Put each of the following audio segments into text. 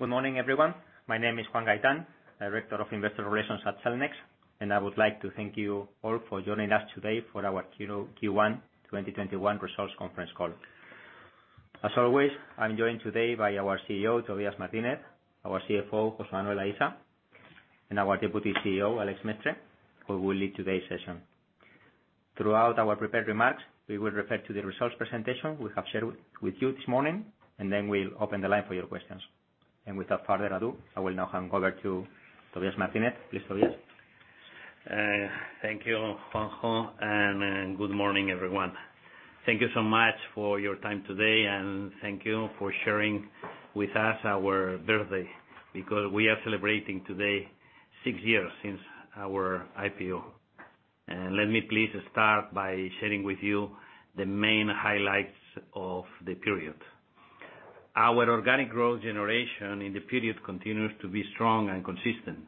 Good morning, everyone. My name is Juan Gaitán, Director of Investor Relations at Cellnex, I would like to thank you all for joining us today for our Q1 2021 Results Conference Call. As always, I'm joined today by our CEO, Tobías Martínez, our CFO, José Manuel Aisa, and our Deputy CEO, Àlex Mestre, who will lead today's session. Throughout our prepared remarks, we will refer to the results presentation we have shared with you this morning, then we'll open the line for your questions. Without further ado, I will now hand over to Tobías Martínez. Please go ahead. Thank you, Juanjo, and good morning, everyone. Thank you so much for your time today, and thank you for sharing with us our birthday because we are celebrating today six years since our IPO. Let me please start by sharing with you the main highlights of the period. Our organic growth generation in the period continues to be strong and consistent,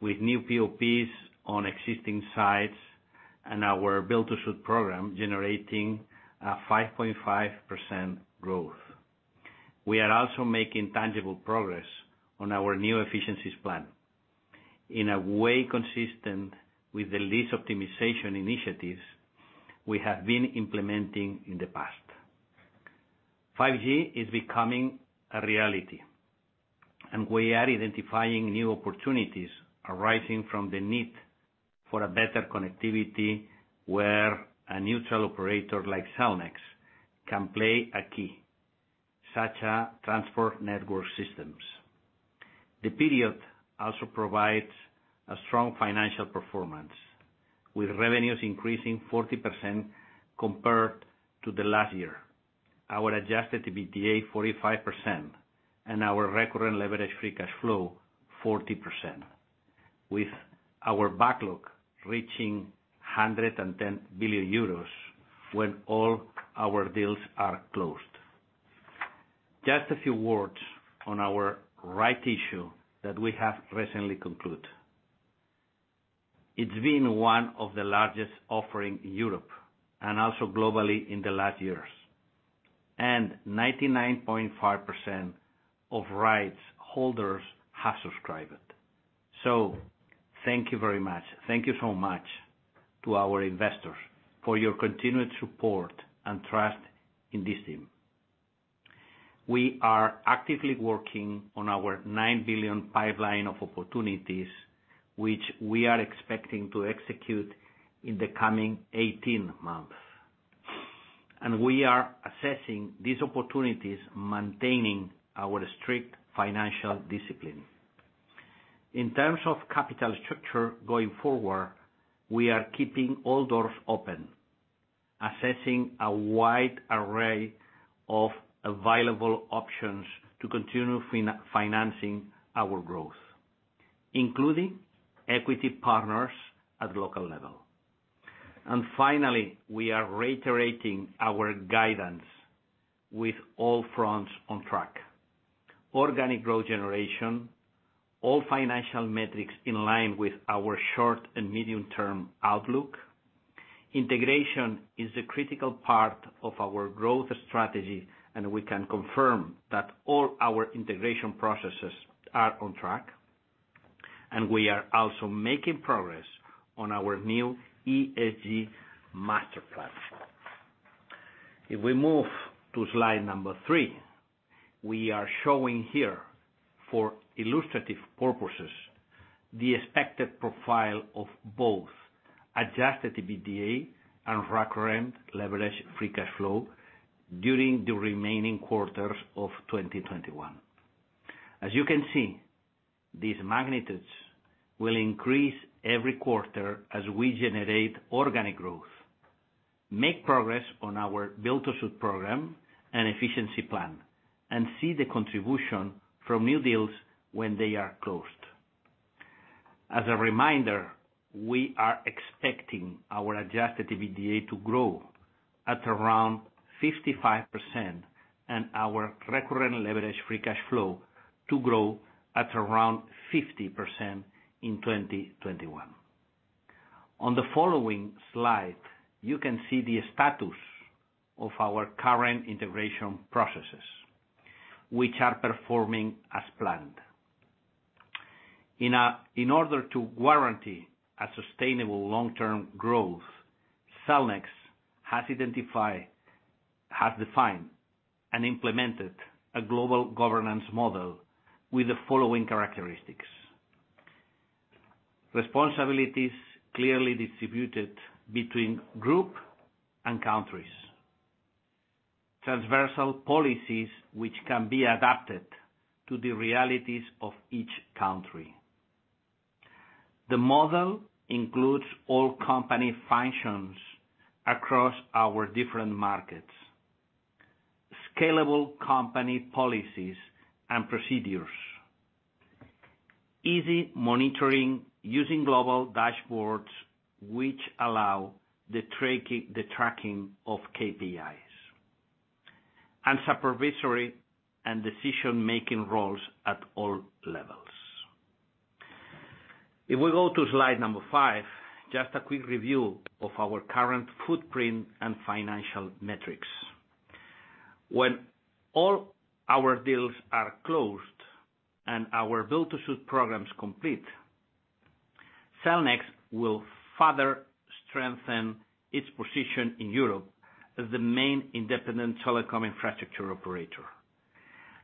with new PoPs on existing sites and our Build-to-Suit program generating 5.5% growth. We are also making tangible progress on our new efficiencies plan in a way consistent with the lease optimization initiatives we have been implementing in the past. 5G is becoming a reality, and we are identifying new opportunities arising from the need for a better connectivity, where a neutral operator like Cellnex can play a key, such a transport network systems. The period also provides a strong financial performance, with revenues increasing 40% compared to the last year. Our adjusted EBITDA 45%, and our recurrent levered free cash flow 40%, with our backlog reaching 110 billion euros when all our deals are closed. Just a few words on our rights issue that we have recently concluded. It's been one of the largest offering in Europe, and also globally in the last years. 99.5% of rights holders have subscribed. Thank you very much. Thank you so much to our investors for your continued support and trust in this team. We are actively working on our 9 billion pipeline of opportunities, which we are expecting to execute in the coming 18 months. We are assessing these opportunities, maintaining our strict financial discipline. In terms of capital structure going forward, we are keeping all doors open, assessing a wide array of available options to continue financing our growth, including equity partners at local level. Finally, we are reiterating our guidance with all fronts on track. Organic growth generation, all financial metrics in line with our short and medium term outlook. Integration is a critical part of our growth strategy, and we can confirm that all our integration processes are on track. We are also making progress on our new ESG Master Plan. If we move to Slide 3, we are showing here, for illustrative purposes, the expected profile of both adjusted EBITDA and recurrent levered free cash flow during the remaining quarters of 2021. As you can see, these magnitudes will increase every quarter as we generate organic growth, make progress on our Build-to-Suit program and efficiency plan, and see the contribution from new deals when they are closed. As a reminder, we are expecting our adjusted EBITDA to grow at around 55%, and our recurrent levered free cash flow to grow at around 50% in 2021. On the following slide, you can see the status of our current integration processes, which are performing as planned. In order to guarantee a sustainable long-term growth, Cellnex has defined and implemented a global governance model with the following characteristics: Responsibilities clearly distributed between group and countries. Transversal policies which can be adapted to the realities of each country. The model includes all company functions across our different markets. Scalable company policies and procedures. Easy monitoring using global dashboards which allow the tracking of KPIs. Supervisory and decision-making roles at all levels. If we go to Slide 5, just a quick review of our current footprint and financial metrics. When all our deals are closed, and our Build-to-Suit programs complete, Cellnex will further strengthen its position in Europe as the main independent telecom infrastructure operator.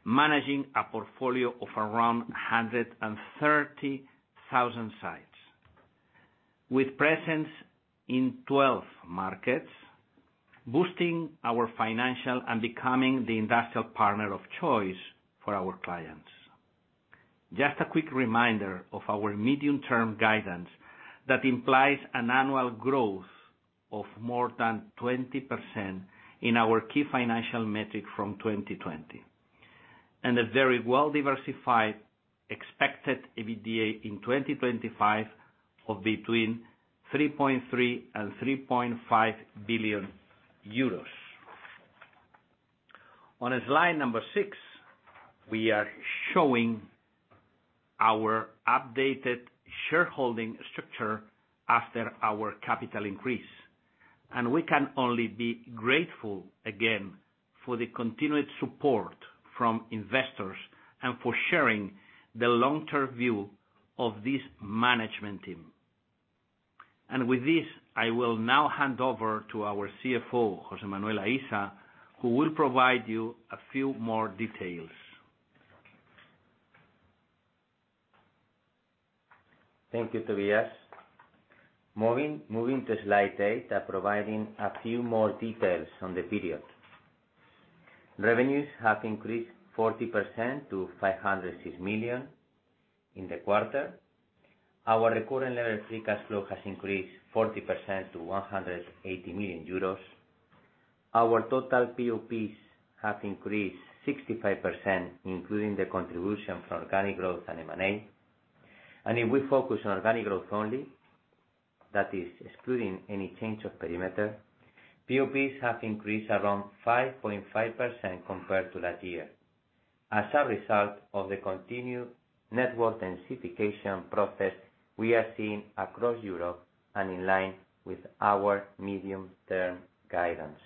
Managing a portfolio of around 130,000 sites. With presence in 12 markets, boosting our financial, and becoming the industrial partner of choice for our clients. Just a quick reminder of our medium-term guidance that implies an annual growth of more than 20% in our key financial metric from 2020. A very well-diversified expected EBITDA in 2025 of between 3.3 billion and 3.5 billion euros. On Slide 6, we are showing our updated shareholding structure after our capital increase. We can only be grateful again for the continued support from investors, and for sharing the long-term view of this management team. With this, I will now hand over to our CFO, José Manuel Aisa, who will provide you a few more details. Thank you, Tobias. Moving to Slide 8, providing a few more details on the period. Revenues have increased 40% to 506 million in the quarter. Our recurrent levered free cash flow has increased 40% to 180 million euros. Our total PoPs have increased 65%, including the contribution from organic growth and M&A. If we focus on organic growth only, that is excluding any change of perimeter, PoPs have increased around 5.5% compared to last year, as a result of the continued network densification process we are seeing across Europe, and in line with our medium-term guidance.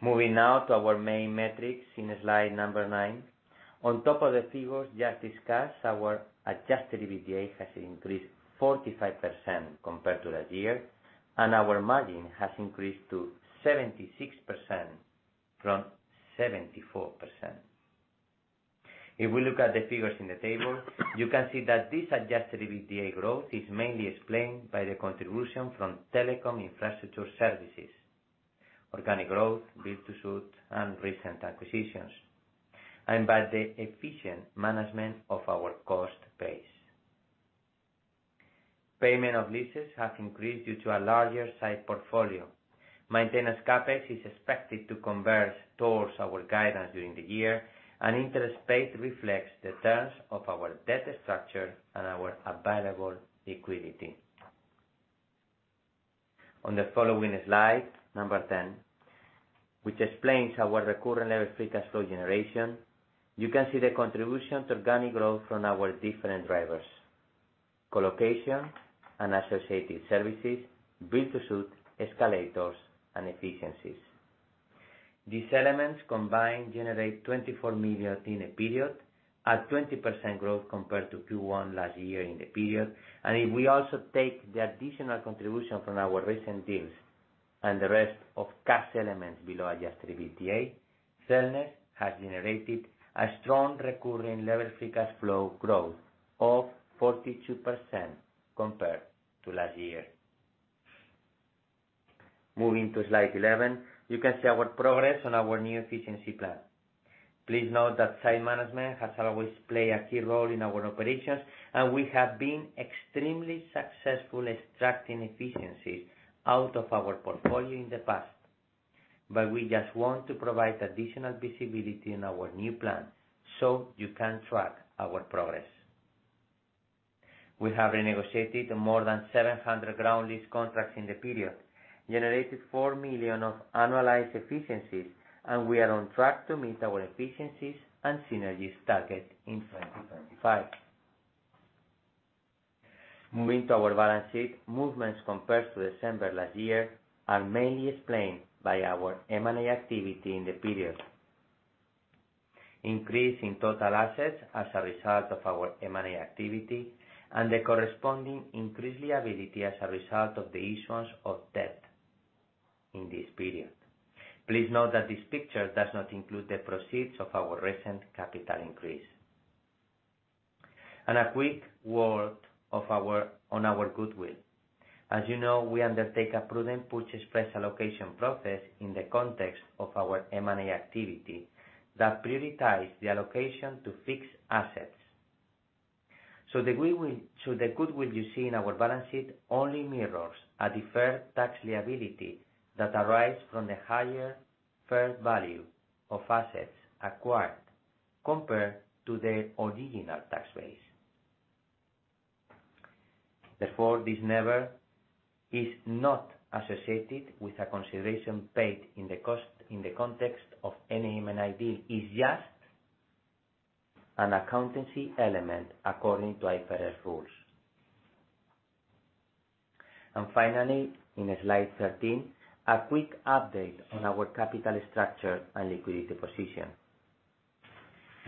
Moving now to our main metrics in Slide 9. On top of the figures just discussed, our adjusted EBITDA has increased 45% compared to last year. Our margin has increased to 76% from 74%. If we look at the figures in the table, you can see that this adjusted EBITDA growth is mainly explained by the contribution from telecom infrastructure services, organic growth, Build-to-Suit, and recent acquisitions, and by the efficient management of our cost base. Payment of leases have increased due to a larger site portfolio. Maintenance CapEx is expected to converge towards our guidance during the year, and interest paid reflects the terms of our debt structure and our available liquidity. On the following Slide 10, which explains our recurring level free cash flow generation, you can see the contributions organic growth from our different drivers. Colocation and associated services, Build-to-Suit, escalators, and efficiencies. These elements combined generate 24 million in the period, at 20% growth compared to Q1 last year in the period. If we also take the additional contribution from our recent deals, and the rest of cash elements below adjusted EBITDA, Cellnex has generated a strong recurrent levered free cash flow growth of 42% compared to last year. Moving to Slide 11, you can see our progress on our new efficiency plan. Please note that site management has always played a key role in our operations, and we have been extremely successful extracting efficiencies out of our portfolio in the past. We just want to provide additional visibility on our new plan, so you can track our progress. We have renegotiated more than 700 ground lease contracts in the period, generated 4 million of annualized efficiencies, and we are on track to meet our efficiencies and synergies target in 2025. Moving to our balance sheet. Movements compared to December last year are mainly explained by our M&A activity in the period. Increase in total assets as a result of our M&A activity, the corresponding increased liability as a result of the issuance of debt in this period. Please note that this picture does not include the proceeds of our recent capital increase. A quick word on our goodwill. As you know, we undertake a prudent purchase price allocation process in the context of our M&A activity that prioritize the allocation to fixed assets. The goodwill you see in our balance sheet only mirrors a deferred tax liability that arise from the higher fair value of assets acquired compared to their original tax base. Therefore, this never is not associated with a consideration paid in the context of any M&A deal. Is just an accountancy element according to IFRS rules. Finally, in Slide 13, a quick update on our capital structure and liquidity position.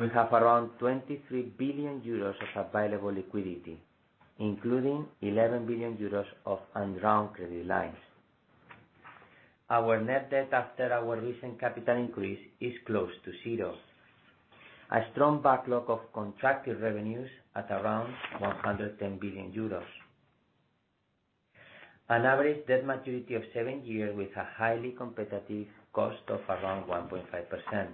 We have around 23 billion euros of available liquidity, including 11 billion euros of undrawn credit lines. Our net debt after our recent capital increase is close to zero. A strong backlog of contracted revenues at around 110 billion euros. An average debt maturity of seven years with a highly competitive cost of around 1.5%.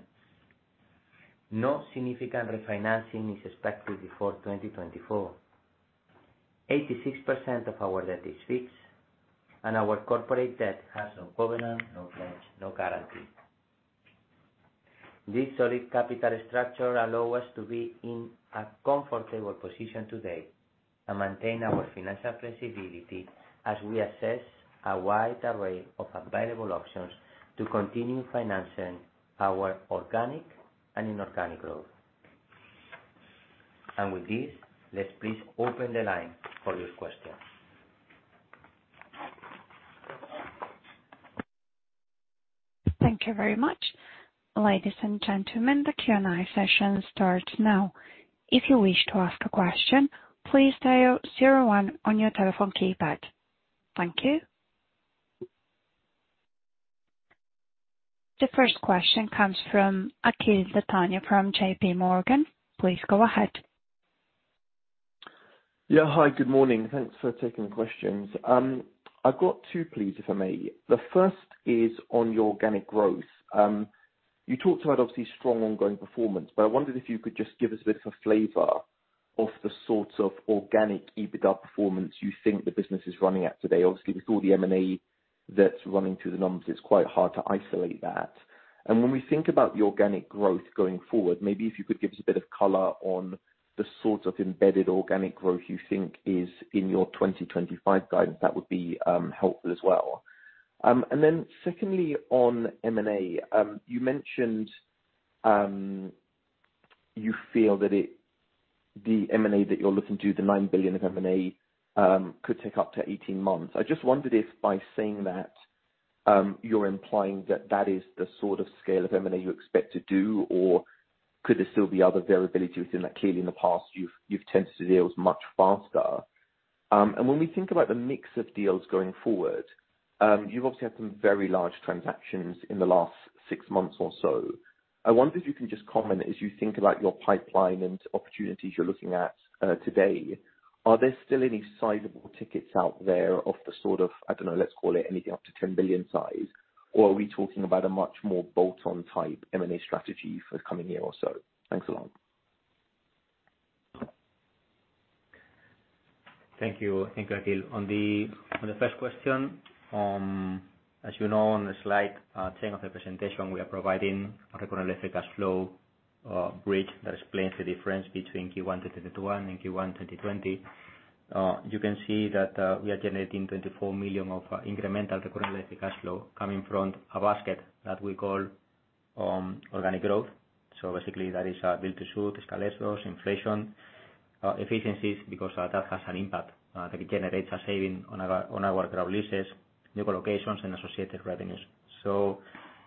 No significant refinancing is expected before 2024. 86% of our debt is fixed, and our corporate debt has no covenant, no pledge, no guarantee. This solid capital structure allow us to be in a comfortable position today and maintain our financial flexibility as we assess a wide array of available options to continue financing our organic and inorganic growth. With this, let's please open the line for your questions. Thank you very much. Ladies and gentlemen, the Q&A session starts now. Thank you. The first question comes from Akhil Dattani from JPMorgan Chase. Please go ahead. Yeah. Hi, good morning. Thanks for taking the questions. I've got two, please, if I may. The first is on your organic growth. You talked about obviously strong ongoing performance, but I wondered if you could just give us a bit of a flavor of the sorts of organic EBITDA performance you think the business is running at today. Obviously, with all the M&A that's running through the numbers, it's quite hard to isolate that. When we think about the organic growth going forward, maybe if you could give us a bit of color on the sorts of embedded organic growth you think is in your 2025 guidance, that would be helpful as well. Secondly, on M&A, you mentioned, you feel that the M&A that you're looking to, the 9 billion of M&A, could take up to 18 months. I just wondered if by saying that, you're implying that that is the sort of scale of M&A you expect to do, or could there still be other variability within that? Clearly, in the past, you've tended to deal much faster. When we think about the mix of deals going forward, you've obviously had some very large transactions in the last six months or so. I wonder if you can just comment, as you think about your pipeline and opportunities you're looking at, today, are there still any sizable tickets out there of the sort of, I don't know, let's call it anything up to 10 billion size? Are we talking about a much more bolt-on type M&A strategy for the coming year or so? Thanks a lot. Thank you. Thank you, Akhil Dattani. On the first question, as you know, on the Slide 10 of the presentation, we are providing a recurrent free cash flow bridge that explains the difference between Q1 2021 and Q1 2020. You can see that we are generating 24 million of incremental recurrent free cash flow coming from a basket that we call organic growth. Basically, that is Build-to-Suit, escalators, inflation, efficiencies, because that has an impact that it generates a saving on our ground leases, new locations and associated revenues.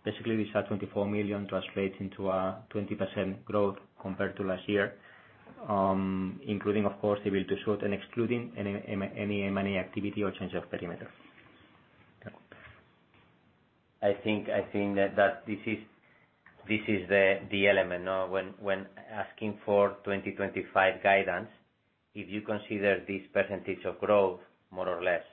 Basically, these 24 million translates into a 20% growth compared to last year. Including, of course, the Build-to-Suit and excluding any M&A activity or change of perimeter. Okay. I think that this is the element, no? When asking for 2025 guidance, if you consider this percentage of growth more or less,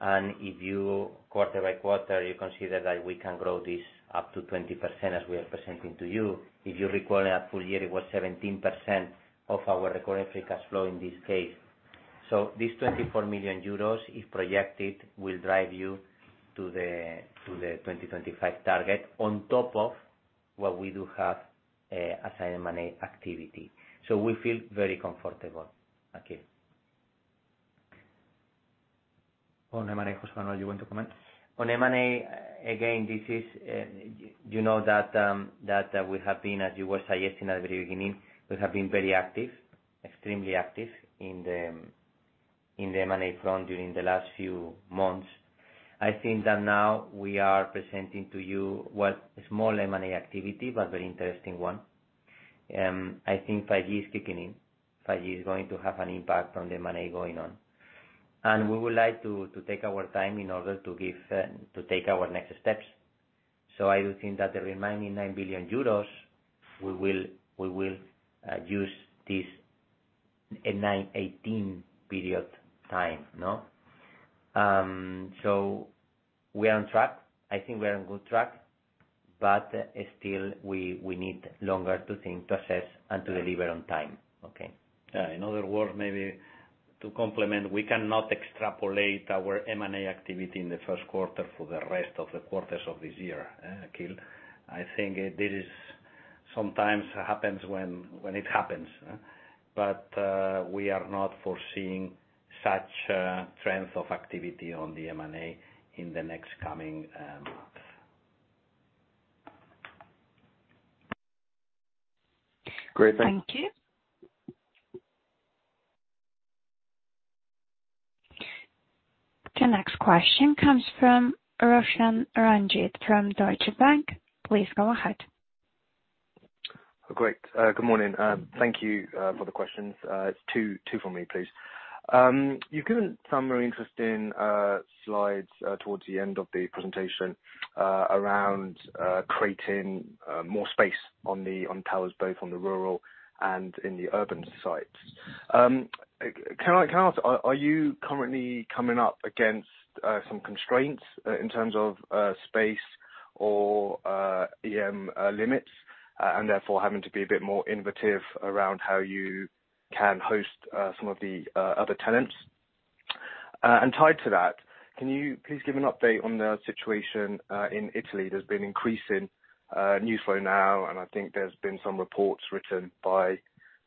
and if you quarter-by-quarter, you consider that we can grow this up to 20% as we are presenting to you. If you recall in a full year, it was 17% of our recurrent free cash flow in this case. This 24 million euros, if projected, will drive you to the 2025 target on top of what we do have as an M&A activity. We feel very comfortable, Akhil Dattani. On M&A, José Manuel, you want to comment? On M&A, again, this is, you know that we have been, as you were suggesting at the very beginning, we have been very active, extremely active in the M&A front during the last few months. I think that now we are presenting to you what small M&A activity, but very interesting one. I think 5G is kicking in. 5G is going to have an impact on the M&A going on. We would like to take our time in order to take our next steps. I do think that the remaining 9 billion euros, we will use this in nine or 18 period time. No? We are on track. I think we are on good track, but still, we need longer to think, to assess, and to deliver on time. Okay. In other words, maybe to complement, we cannot extrapolate our M&A activity in the Q1 for the rest of the quarters of this year, Akhil. I think this is. Sometimes happens when it happens, but we are not foreseeing such a trend of activity on the M&A in the next coming months. Great. Thanks. Thank you. The next question comes from Roshan Ranjit from Deutsche Bank. Please go ahead. Great. Good morning. Thank you for the questions. It's two for me, please. You've given some very interesting slides towards the end of the presentation around creating more space on towers, both on the rural and in the urban sites. Can I ask, are you currently coming up against some constraints in terms of space or EM limits, and therefore having to be a bit more innovative around how you can host some of the other tenants? Tied to that, can you please give an update on the situation in Italy? There's been increasing newsflow now, and I think there's been some reports written by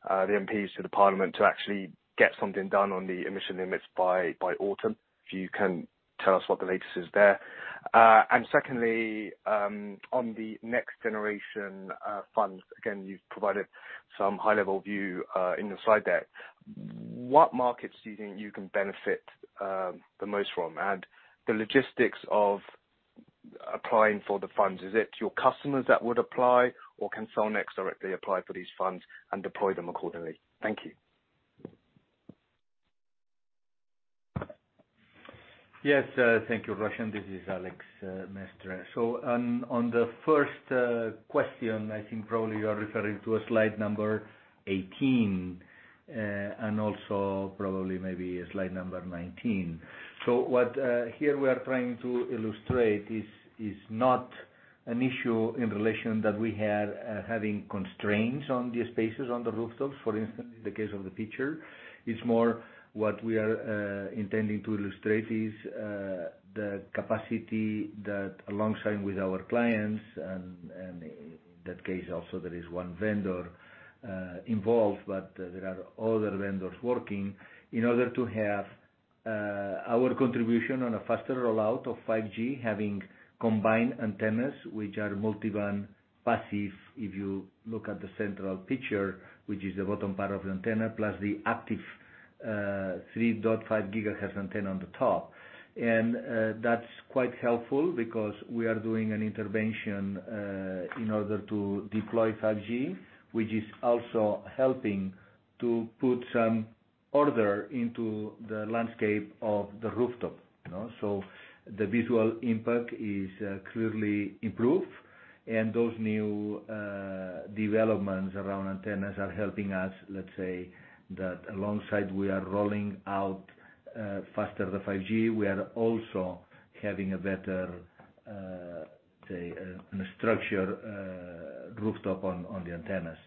the MPs to the parliament to actually get something done on the emission limits by autumn. If you can tell us what the latest is there. Secondly, on the Next Generation funds, again, you've provided some high-level view in your slide deck. What markets do you think you can benefit the most from? And the logistics of applying for the funds, is it your customers that would apply, or can Cellnex directly apply for these funds and deploy them accordingly? Thank you. Yes. Thank you, Roshan. This is Àlex Mestre. On the first question, I think probably you are referring to Slide number 18, and also probably maybe Slide 19. What here we are trying to illustrate is not an issue in relation that we had having constraints on the spaces on the rooftops, for instance, in the case of the picture. It's more what we are intending to illustrate is the capacity that alongside with our clients and, in that case also there is one vendor involved, but there are other vendors working in order to have our contribution on a faster rollout of 5G, having combined antennas, which are multi-band passive. If you look at the central picture, which is the bottom part of the antenna, plus the active 3.5 GHz antenna on the top. That's quite helpful because we are doing an intervention in order to deploy 5G, which is also helping to put some order into the landscape of the rooftop. you know. The visual impact is clearly improved, and those new developments around antennas are helping us, let's say that alongside we are rolling out faster the 5G. We are also having a better, say, a structured rooftop on the antennas.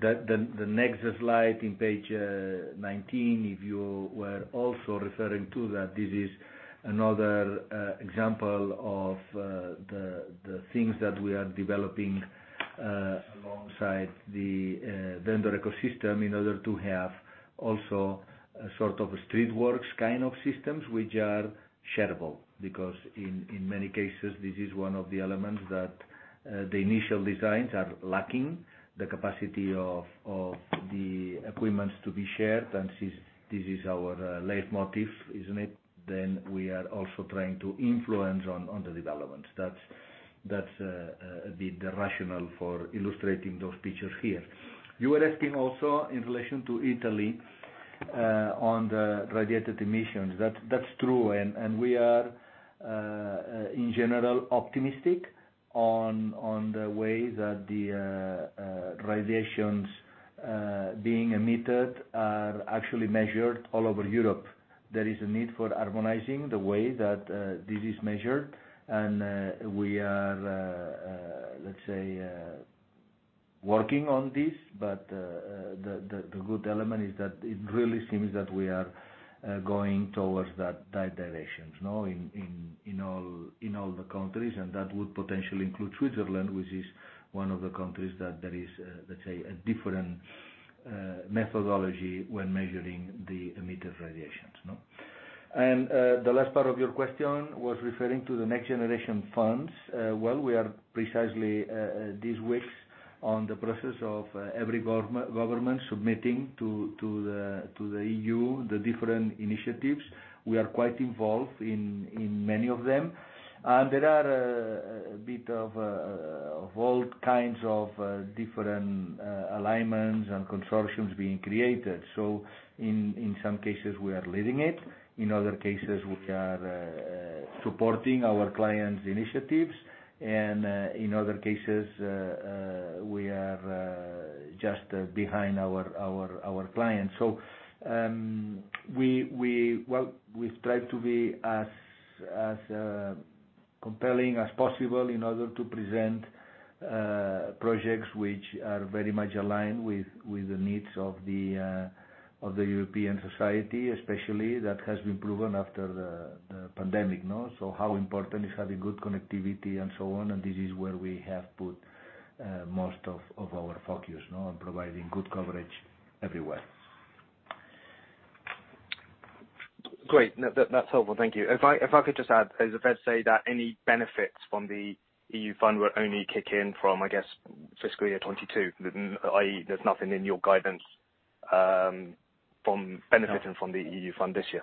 The next slide in Page 19, if you were also referring to that. This is another example of the things that we are developing alongside the vendor ecosystem in order to have also a sort of street works kind of systems which are shareable. In many cases, this is one of the elements that the initial designs are lacking the capacity of the equipments to be shared. Since this is our leitmotif, isn't it? We are also trying to influence on the development. That's the rationale for illustrating those pictures here. You were asking also in relation to Italy on the radiated emissions. That's true. We are in general optimistic on the way that the radiations being emitted are actually measured all over Europe. There is a need for harmonizing the way that this is measured. We are, let's say, working on this. The good element is that it really seems that we are going towards that directions, you know, in all the countries, and that would potentially include Switzerland, which is one of the countries that there is, let's say, a different methodology when measuring the emitted radiations. The last part of your question was referring to the Next Generation funds. We are precisely these weeks on the process of every government submitting to the EU, the different initiatives. We are quite involved in many of them. There are a bit of all kinds of different alignments and consortiums being created. In some cases, we are leading it. In other cases, we are supporting our clients' initiatives. In other cases, we are just behind our clients. Well, we strive to be as compelling as possible in order to present projects which are very much aligned with the needs of the European society especially. That has been proven after the pandemic. How important is having good connectivity and so on, and this is where we have put most of our focus, you know, on providing good coverage everywhere. Great. No, that's helpful. Thank you. If I could just add, is it fair to say that any benefits from the EU fund will only kick in from, I guess, FY 2022? I.e., there's nothing in your guidance from benefiting. No. From the EU fund this year?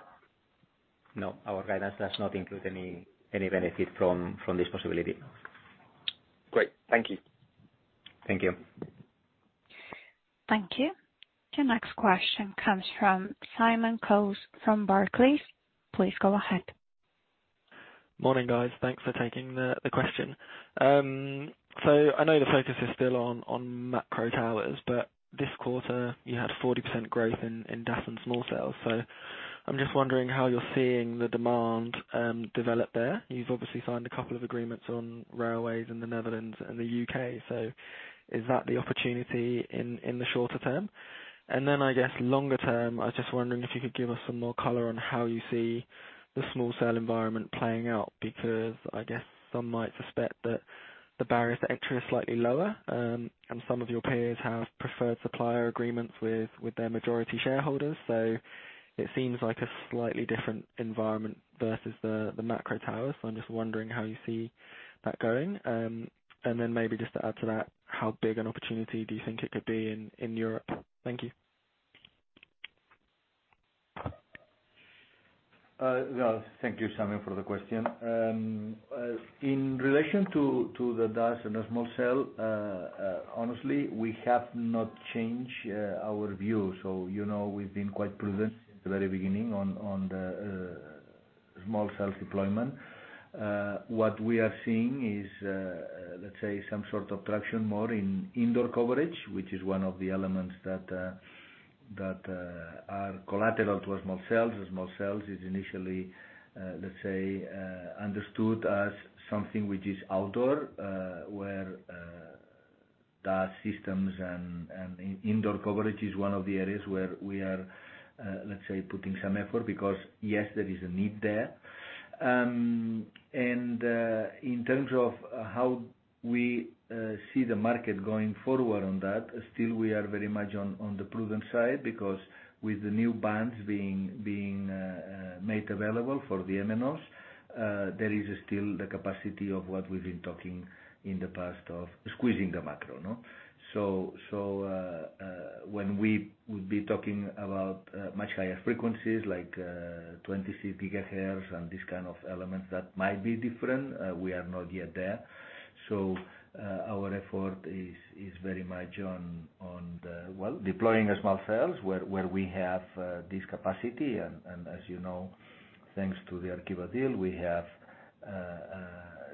No, our guidance does not include any benefit from this possibility. Great. Thank you. Thank you. Thank you. The next question comes from Simon Coles from Barclays. Please go ahead. Morning, guys. Thanks for taking the question. I know the focus is still on macro towers, but this quarter you had 40% growth in DAS and small cells. I am just wondering how you're seeing the demand develop there. You've obviously signed a couple of agreements on railways in the Netherlands and the U.K. Is that the opportunity in the shorter term? Then I guess longer term, I was just wondering if you could give us some more color on how you see the small cell environment playing out. Because I guess some might suspect that the barriers to entry are slightly lower, and some of your peers have preferred supplier agreements with their majority shareholders. It seems like a slightly different environment versus the macro towers. I am just wondering how you see that going. Maybe just to add to that, how big an opportunity do you think it could be in Europe? Thank you. Well, thank you, Simon, for the question. In relation to the DAS and the small cell, honestly, we have not changed our view. You know, we've been quite prudent since the very beginning on the small cell deployment. What we are seeing is, let's say some sort of traction more in indoor coverage, which is one of the elements that are collateral to a small cells. A small cells is initially, let's say, understood as something which is outdoor, where DAS systems and in-indoor coverage is one of the areas where we are, let's say, putting some effort because, yes, there is a need there. In terms of how we see the market going forward on that, still we are very much on the prudent side because with the new bands being made available for the MNOs, there is still the capacity of what we've been talking in the past of squeezing the macro, no? When we would be talking about much higher frequencies like 26 GHz and this kind of elements, that might be different. We are not yet there. Our effort is very much on the, well, deploying small cells where we have this capacity. As you know, thanks to the Arqiva deal, we have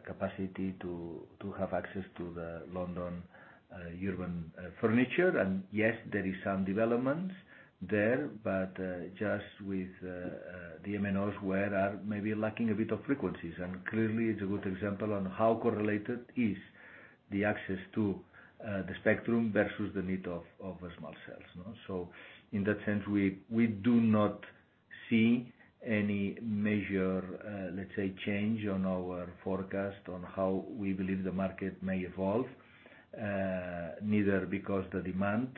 capacity to have access to the London urban furniture. Yes, there is some developments there, but just with the MNOs where are maybe lacking a bit of frequencies. Clearly it's a good example on how correlated is the access to the spectrum versus the need of a small cells, no. In that sense, we do not see any major, let's say, change on our forecast on how we believe the market may evolve, neither because the demand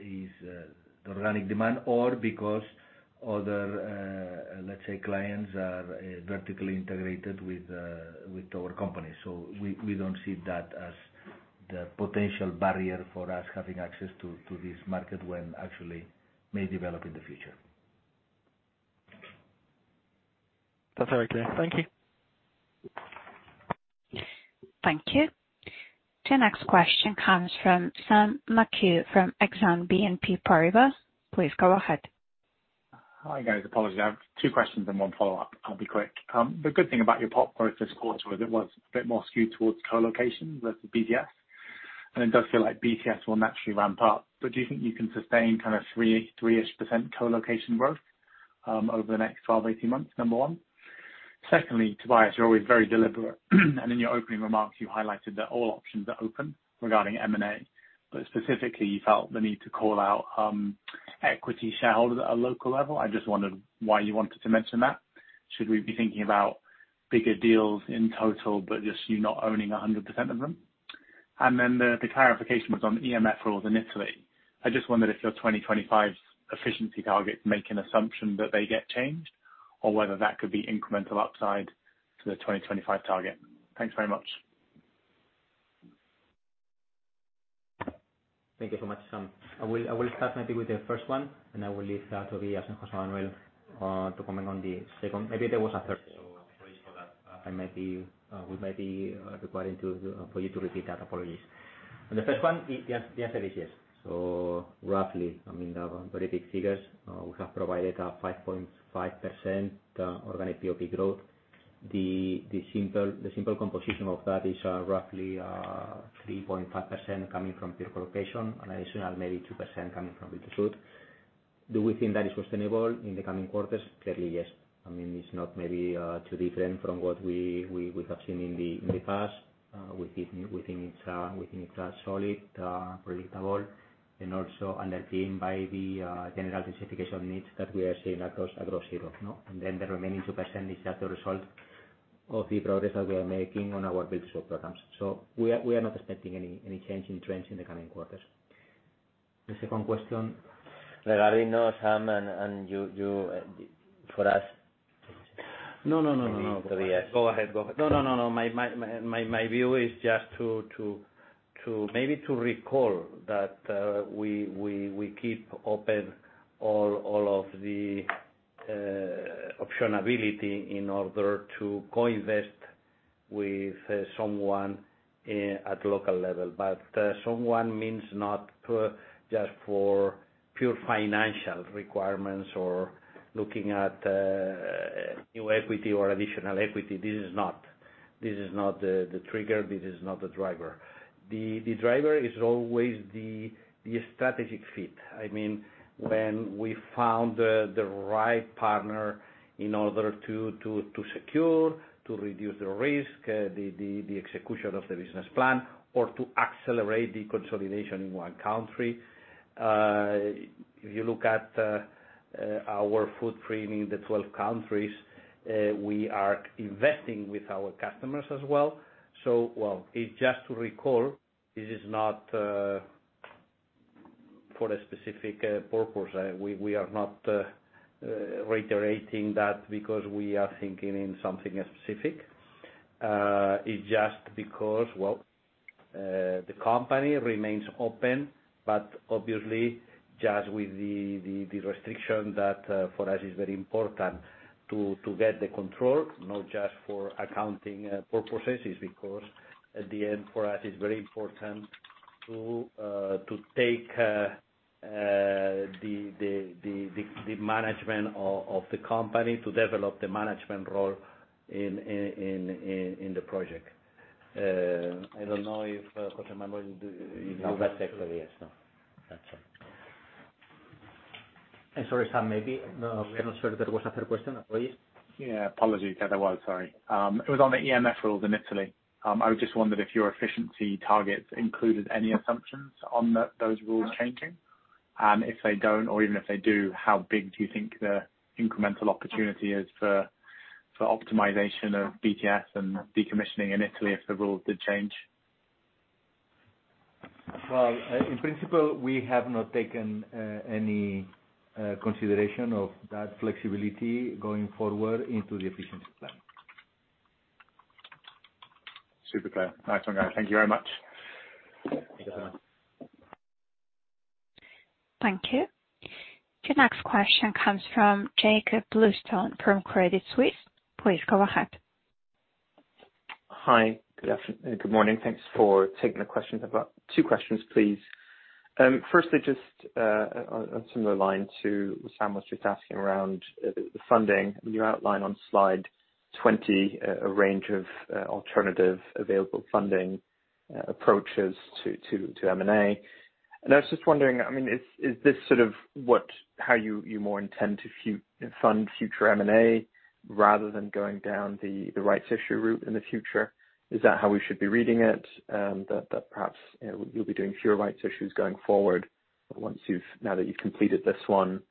is the organic demand or because other, let's say clients are vertically integrated with our company. We don't see that as the potential barrier for us having access to this market when actually may develop in the future. That's very clear. Thank you. Thank you. The next question comes from Sam McHugh from Exane BNP Paribas. Please go ahead. Hi guys. Apologies, I have two questions and one follow-up. I'll be quick. The good thing about your PoPs growth this quarter is it was a bit more skewed towards co-location with the BTS, and it does feel like BTS will naturally ramp up. Do you think you can sustain kind of 3-ish% co-location growth over the next 12, 18 months? Number one. Secondly, Tobías, you're always very deliberate. In your opening remarks, you highlighted that all options are open regarding M&A. Specifically, you felt the need to call out equity shareholders at a local level. I just wondered why you wanted to mention that. Should we be thinking about bigger deals in total, but just you not owning 100% of them? The clarification was on the EMF rules in Italy. I just wondered if your 2025 efficiency targets make an assumption that they get changed or whether that could be incremental upside to the 2025 target. Thanks very much. Thank you so much, Sam. I will start maybe with the first one. I will leave that to be José Manuel to comment on the second. Maybe there was a third. Apologies for that. We might be requiring for you to repeat that. Apologies. On the first one, the answer is yes. Roughly, I mean, the very big figures, we have provided a 5.5% organic PoP growth. The simple composition of that is roughly 3.5% coming from pure co-location and additional maybe 2% coming from retrofit. Do we think that is sustainable in the coming quarters? Clearly, yes. I mean, it's not maybe too different from what we have seen in the past. We think it's solid, predictable, and also underpinned by the general specification needs that we are seeing across Europe. The remaining 2% is just a result. Of the progress that we are making on our Build-to-Suit programs. We are not expecting any change in trends in the coming quarters. The second question? Regarding no Sam and you for us. No, no, no. Maybe, yes. Go ahead. Go ahead. No, no, no. My view is just to maybe to recall that we keep open all of the option ability in order to co-invest with someone at local level. Someone means not just for pure financial requirements or looking at new equity or additional equity. This is not the trigger. This is not the driver. The driver is always the strategic fit. I mean, when we found the right partner in order to secure, to reduce the risk, the execution of the business plan or to accelerate the consolidation in one country. If you look at our footprint in the 12 countries, we are investing with our customers as well. Well, it's just to recall, this is not for a specific purpose. We are not reiterating that because we are thinking in something specific. It's just because, well, the company remains open, but obviously just with the restriction that for us is very important to get the control, not just for accounting purposes, because at the end for us it's very important to take the management of the company to develop the management role in the project. I don't know if Manuel do you want to say? No, that's actually it. No. That's all. Sorry, Sam, maybe, we are not sure there was a third question. Oh, yes. Apologies. It was on the EMF rules in Italy. I just wondered if your efficiency targets included any assumptions on those rules changing. If they don't or even if they do, how big do you think the incremental opportunity is for optimization of BTS and decommissioning in Italy if the rules did change? Well, in principle, we have not taken any consideration of that flexibility going forward into the efficiency plan. Super clear. Thanks, Juan. Thank you very much. Thank you, Sam. Thank you. The next question comes from Jakob Bluestone from Credit Suisse. Please go ahead. Hi. Good morning. Thanks for taking the questions. I've got two questions, please. Firstly, just on similar line to what Sam was just asking around the funding. You outline on Slide 20, a range of alternative available funding approaches to M&A. I was just wondering, I mean, is this sort of what, how you more intend to fund future M&A rather than going down the rights issue route in the future? Is that how we should be reading it? That perhaps you'll be doing fewer rights issues going forward once you've, now that you've completed this one.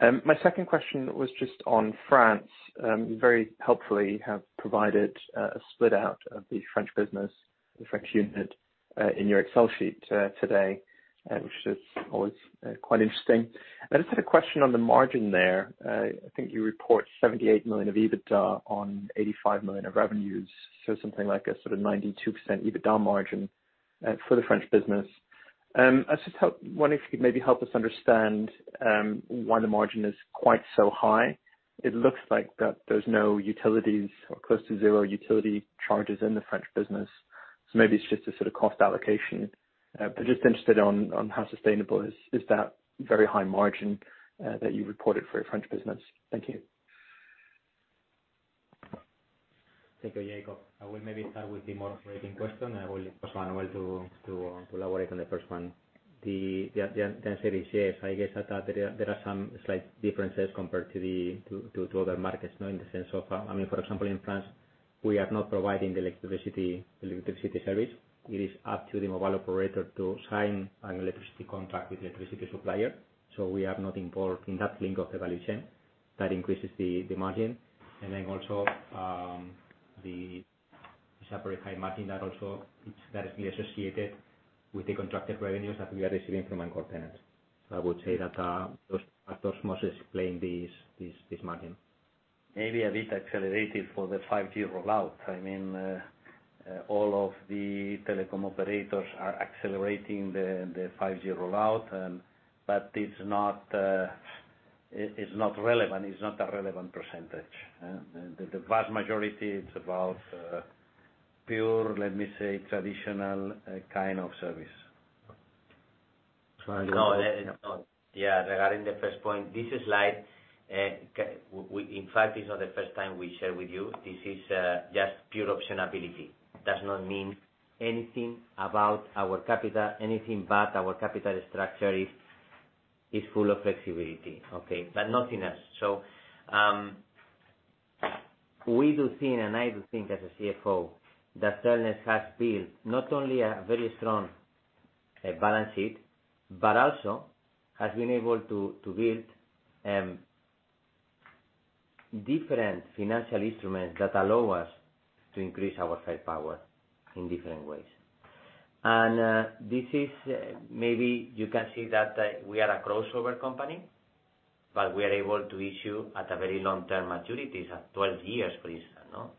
My second question was just on France. You very helpfully have provided a split out of the French business, the French unit, in your Excel sheet today, which is always quite interesting. I just had a question on the margin there. I think you report 78 million of EBITDA on 85 million of revenues. Something like a sort of 92% EBITDA margin for the French business. I just wonder if you could maybe help us understand why the margin is quite so high. It looks like that there's no utilities or close to 0 utility charges in the French business. Maybe it's just a sort of cost allocation. Just interested on how sustainable is that very high margin that you reported for your French business. Thank you. Thank you, Jakob. I will maybe start with the more operating question. I will leave José Manuel Aisa to elaborate on the first one. The density shares, I guess that there are some slight differences compared to other markets, you know, in the sense of, I mean, for example, in France, we are not providing the electricity service. It is up to the mobile operator to sign an electricity contract with the electricity supplier. We are not involved in that link of the value chain. That increases the margin. Also, the separate high margin that also is greatly associated with the contracted revenues that we are receiving from anchor tenants. I would say that those are those mostly explain this margin. Maybe a bit accelerated for the 5G rollout. I mean, all of the telecom operators are accelerating the 5G rollout, but it's not, it's not relevant. It's not a relevant percentage. The vast majority is about pure, let me say, traditional kind of service. No, yeah, regarding the first point, this slide, we in fact, is not the first time we share with you. This is just pure option ability. Does not mean anything about our capital, anything but our capital structure is full of flexibility, okay. Nothing else. We do think, and I do think as a CFO, that Cellnex has built not only a very strong-A balance sheet, but also has been able to build different financial instruments that allow us to increase our firepower in different ways. This is maybe you can see that we are a crossover company, but we are able to issue at a very long-term maturities, at 12 years, for instance, no?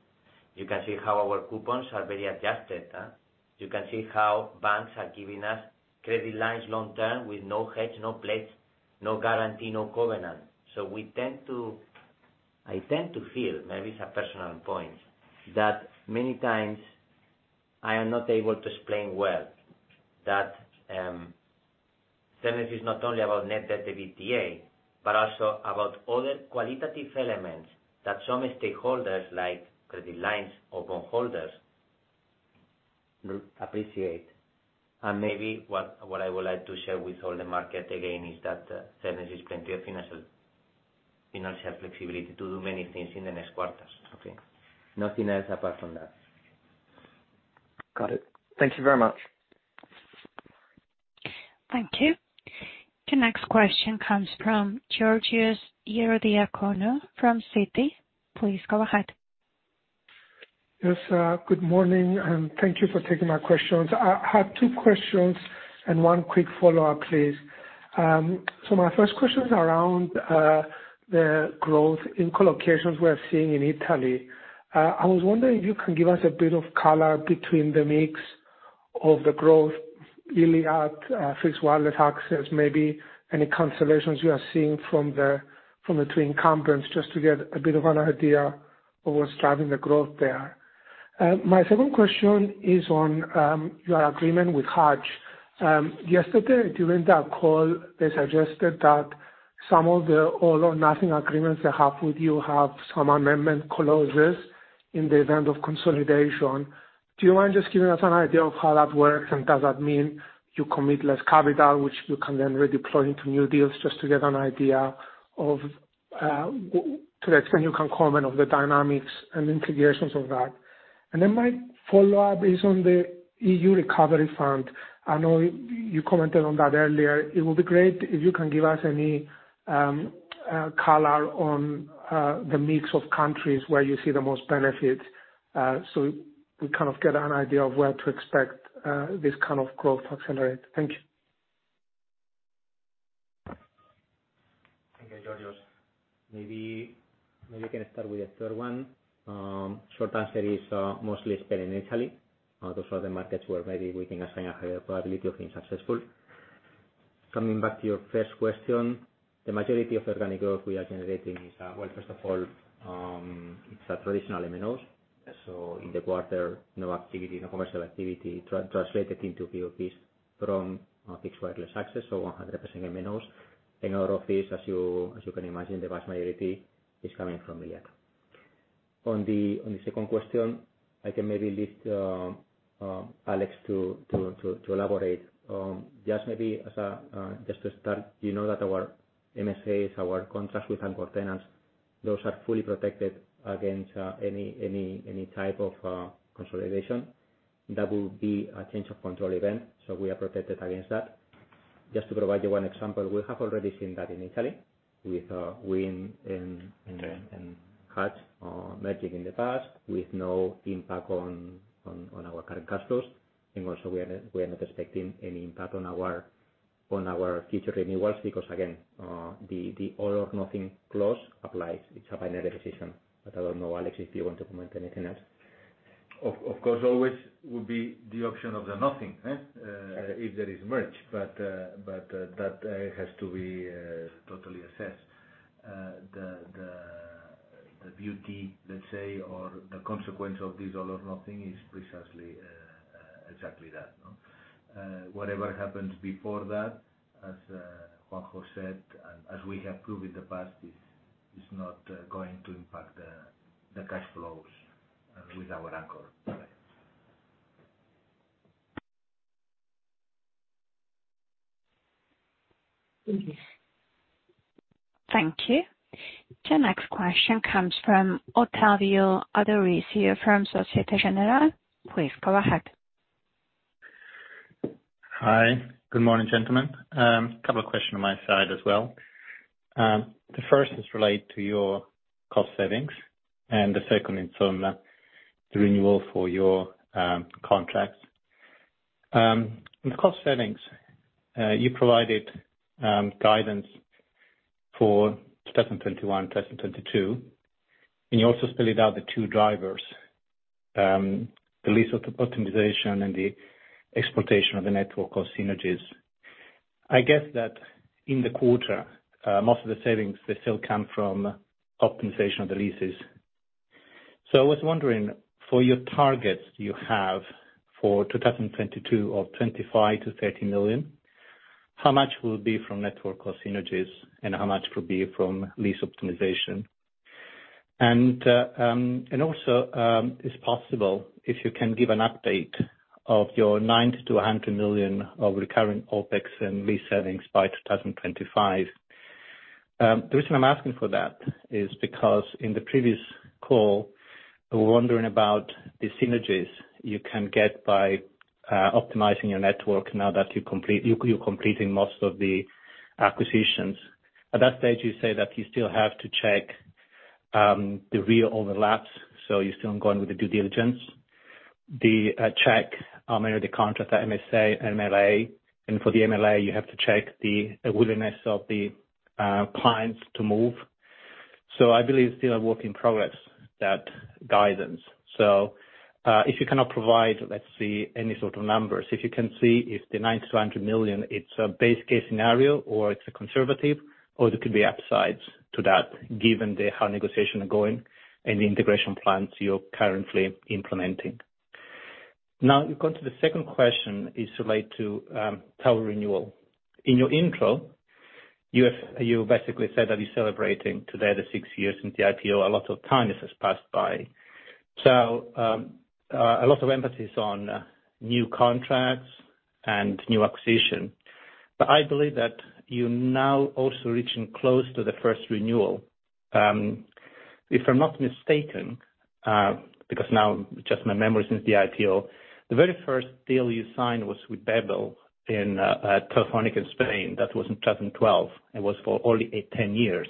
You can see how our coupons are very adjusted. You can see how banks are giving us credit lines long term with no hedge, no pledge, no guarantee, no covenant. I tend to feel, maybe it's a personal point, that many times I am not able to explain well that Cellnex is not only about net debt to EBITDA, but also about other qualitative elements that some stakeholders like credit lines or bondholders appreciate. Maybe what I would like to share with all the market again is that Cellnex has plenty of financial flexibility to do many things in the next quarters. Okay. Nothing else apart from that. Got it. Thank you very much. Thank you. The next question comes from Georgios Ierodiakonou from Citi. Please go ahead. Yes, good morning, thank you for taking my questions. I have two questions and one quick follow-up, please. My first question is around the growth in collocations we are seeing in Italy. I was wondering if you can give us a bit of color between the mix of the growth really at Fixed Wireless Access, maybe any cancellations you are seeing from the twin incumbents, just to get a bit of an idea of what's driving the growth there. My second question is on your agreement with Hutch. Yesterday, during that call, they suggested that some of the all-or-nothing agreements they have with you have some amendment clauses in the event of consolidation. Do you mind just giving us an idea of how that works? Does that mean you commit less capital, which you can then redeploy into new deals just to get an idea of, to the extent you can comment on the dynamics and integrations of that. My follow-up is on the EU Recovery Fund. I know you commented on that earlier. It will be great if you can give us any color on the mix of countries where you see the most benefit, so we kind of get an idea of where to expect this kind of growth to accelerate. Thank you. Thank you, Georgios. Maybe I can start with the third one. Short answer is, mostly spend in Italy. Those are the markets where maybe we can assign a higher probability of being successful. Coming back to your first question, the majority of organic growth we are generating is, well, first of all, it's a traditional MNOs. In the quarter, no activity, no commercial activity translated into PoPs from Fixed Wireless Access, 100% MNOs. Out of this, as you can imagine, the vast majority is coming from Iliad. On the second question, I can maybe leave Alex to elaborate. Just maybe as a just to start, you know that our MSAs, our contracts with anchor tenants, those are fully protected against any type of consolidation. That would be a change of control event. We are protected against that. Just to provide you one example, we have already seen that in Italy with Wind and Hutch merging in the past with no impact on our current cash flows. Also we are not expecting any impact on our future renewals because again, the all or nothing clause applies. It's a binary decision. I don't know, Àlex, if you want to comment anything else. Of course, always would be the option of the nothing, huh? If there is merge, but that has to be totally assessed. The beauty, let's say, or the consequence of this all or nothing is precisely exactly that, no? Whatever happens before that, as Juanjo said, and as we have proved in the past, is not going to impact the cash flows with our anchor. Please. Thank you. The next question comes from Ottavio Adorisio from Société Générale. Please go ahead. Hi. Good morning, gentlemen. couple of question on my side as well. The first is related to your cost savings, and the second in formula, the renewal for your contracts. In the cost savings, you provided guidance for 2021, 2022, and you also spelled out the two drivers, the lease optimization and the exploitation of the network cost synergies. I guess that in the quarter, most of the savings, they still come from optimization of the leases. I was wondering, for your targets you have for 2022 of 25 million-30 million, how much will be from network cost synergies, and how much will be from lease optimization? It's possible if you can give an update of your 90 million-100 million of recurring OpEx and lease savings by 2025. The reason I'm asking for that is because in the previous call, we were wondering about the synergies you can get by optimizing your network now that you completing most of the acquisitions. At that stage, you say that you still have to check the real overlaps, so you're still going with the due diligence. The check on many of the contracts at MSA and MLA, and for the MLA, you have to check the willingness of the clients to move. I believe still a work in progress, that guidance. If you cannot provide, let's see any sort of numbers, if you can see if the 90 million-100 million, it's a base case scenario, or it's a conservative, or there could be upsides to that, given the how negotiation are going and the integration plans you're currently implementing. Now we come to the second question, is related to tower renewal. In your intro, you basically said that you're celebrating today the 6 years since the IPO. A lot of time has passed by. A lot of emphasis on new contracts and new acquisition. I believe that you're now also reaching close to the first renewal. If I'm not mistaken, because now just my memory since the IPO, the very first deal you signed was with Babel in Telefónica in Spain. That was in 2012. It was for only 8-10 years.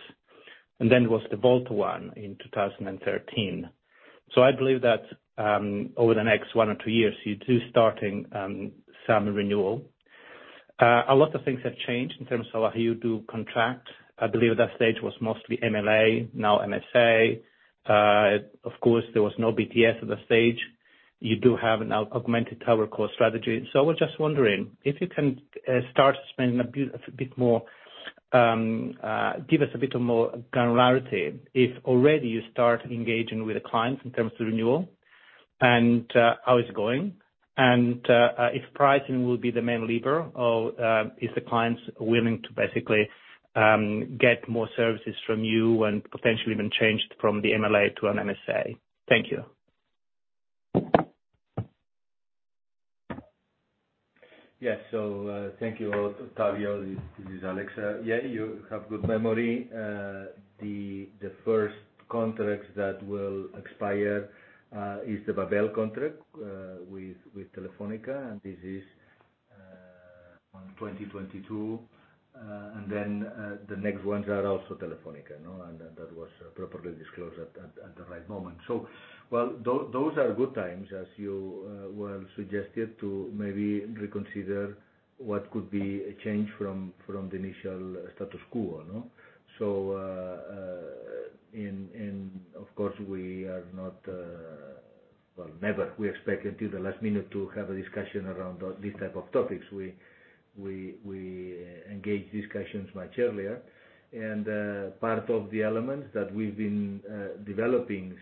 Then was the Volt one in 2013. I believe that over the next one or two years, you do starting some renewal. A lot of things have changed in terms of how you do contract. I believe that stage was mostly MLA, now MSA. Of course, there was no BTS at the stage. You do have now Augmented TowerCo strategy. I was just wondering if you can start spending a bit more, give us a bit of more granularity. If already you start engaging with the clients in terms of renewal, and how it's going, and if pricing will be the main lever or if the clients willing to basically get more services from you and potentially even change from the MLA to an MSA. Thank you. Yes. Thank you, Ottavio Adorisio. This is Àlex Mestre. Yeah, you have good memory. The first contract that will expire is the Babel contract with Telefónica, and this is on 2022. The next ones are also Telefónica, you know, and that was properly disclosed at the right moment. Well, those are good times, as you well suggested, to maybe reconsider what could be a change from the initial status quo, you know. Of course, we are not, well, never we expect until the last minute to have a discussion around these type of topics. We engage discussions much earlier. Part of the elements that we've been developing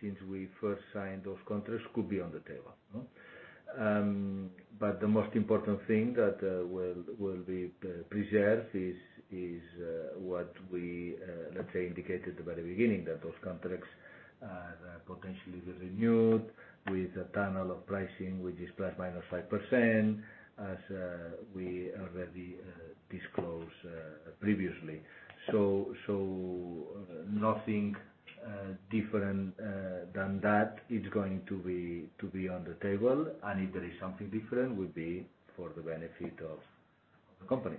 since we first signed those contracts could be on the table. The most important thing that will be preserved is what we, let's say, indicated at the very beginning, that those contracts that potentially will renewed with a band of pricing, which is ±5%, as we already disclosed previously. Nothing different than that is going to be on the table, and if there is something different, will be for the benefit of the company.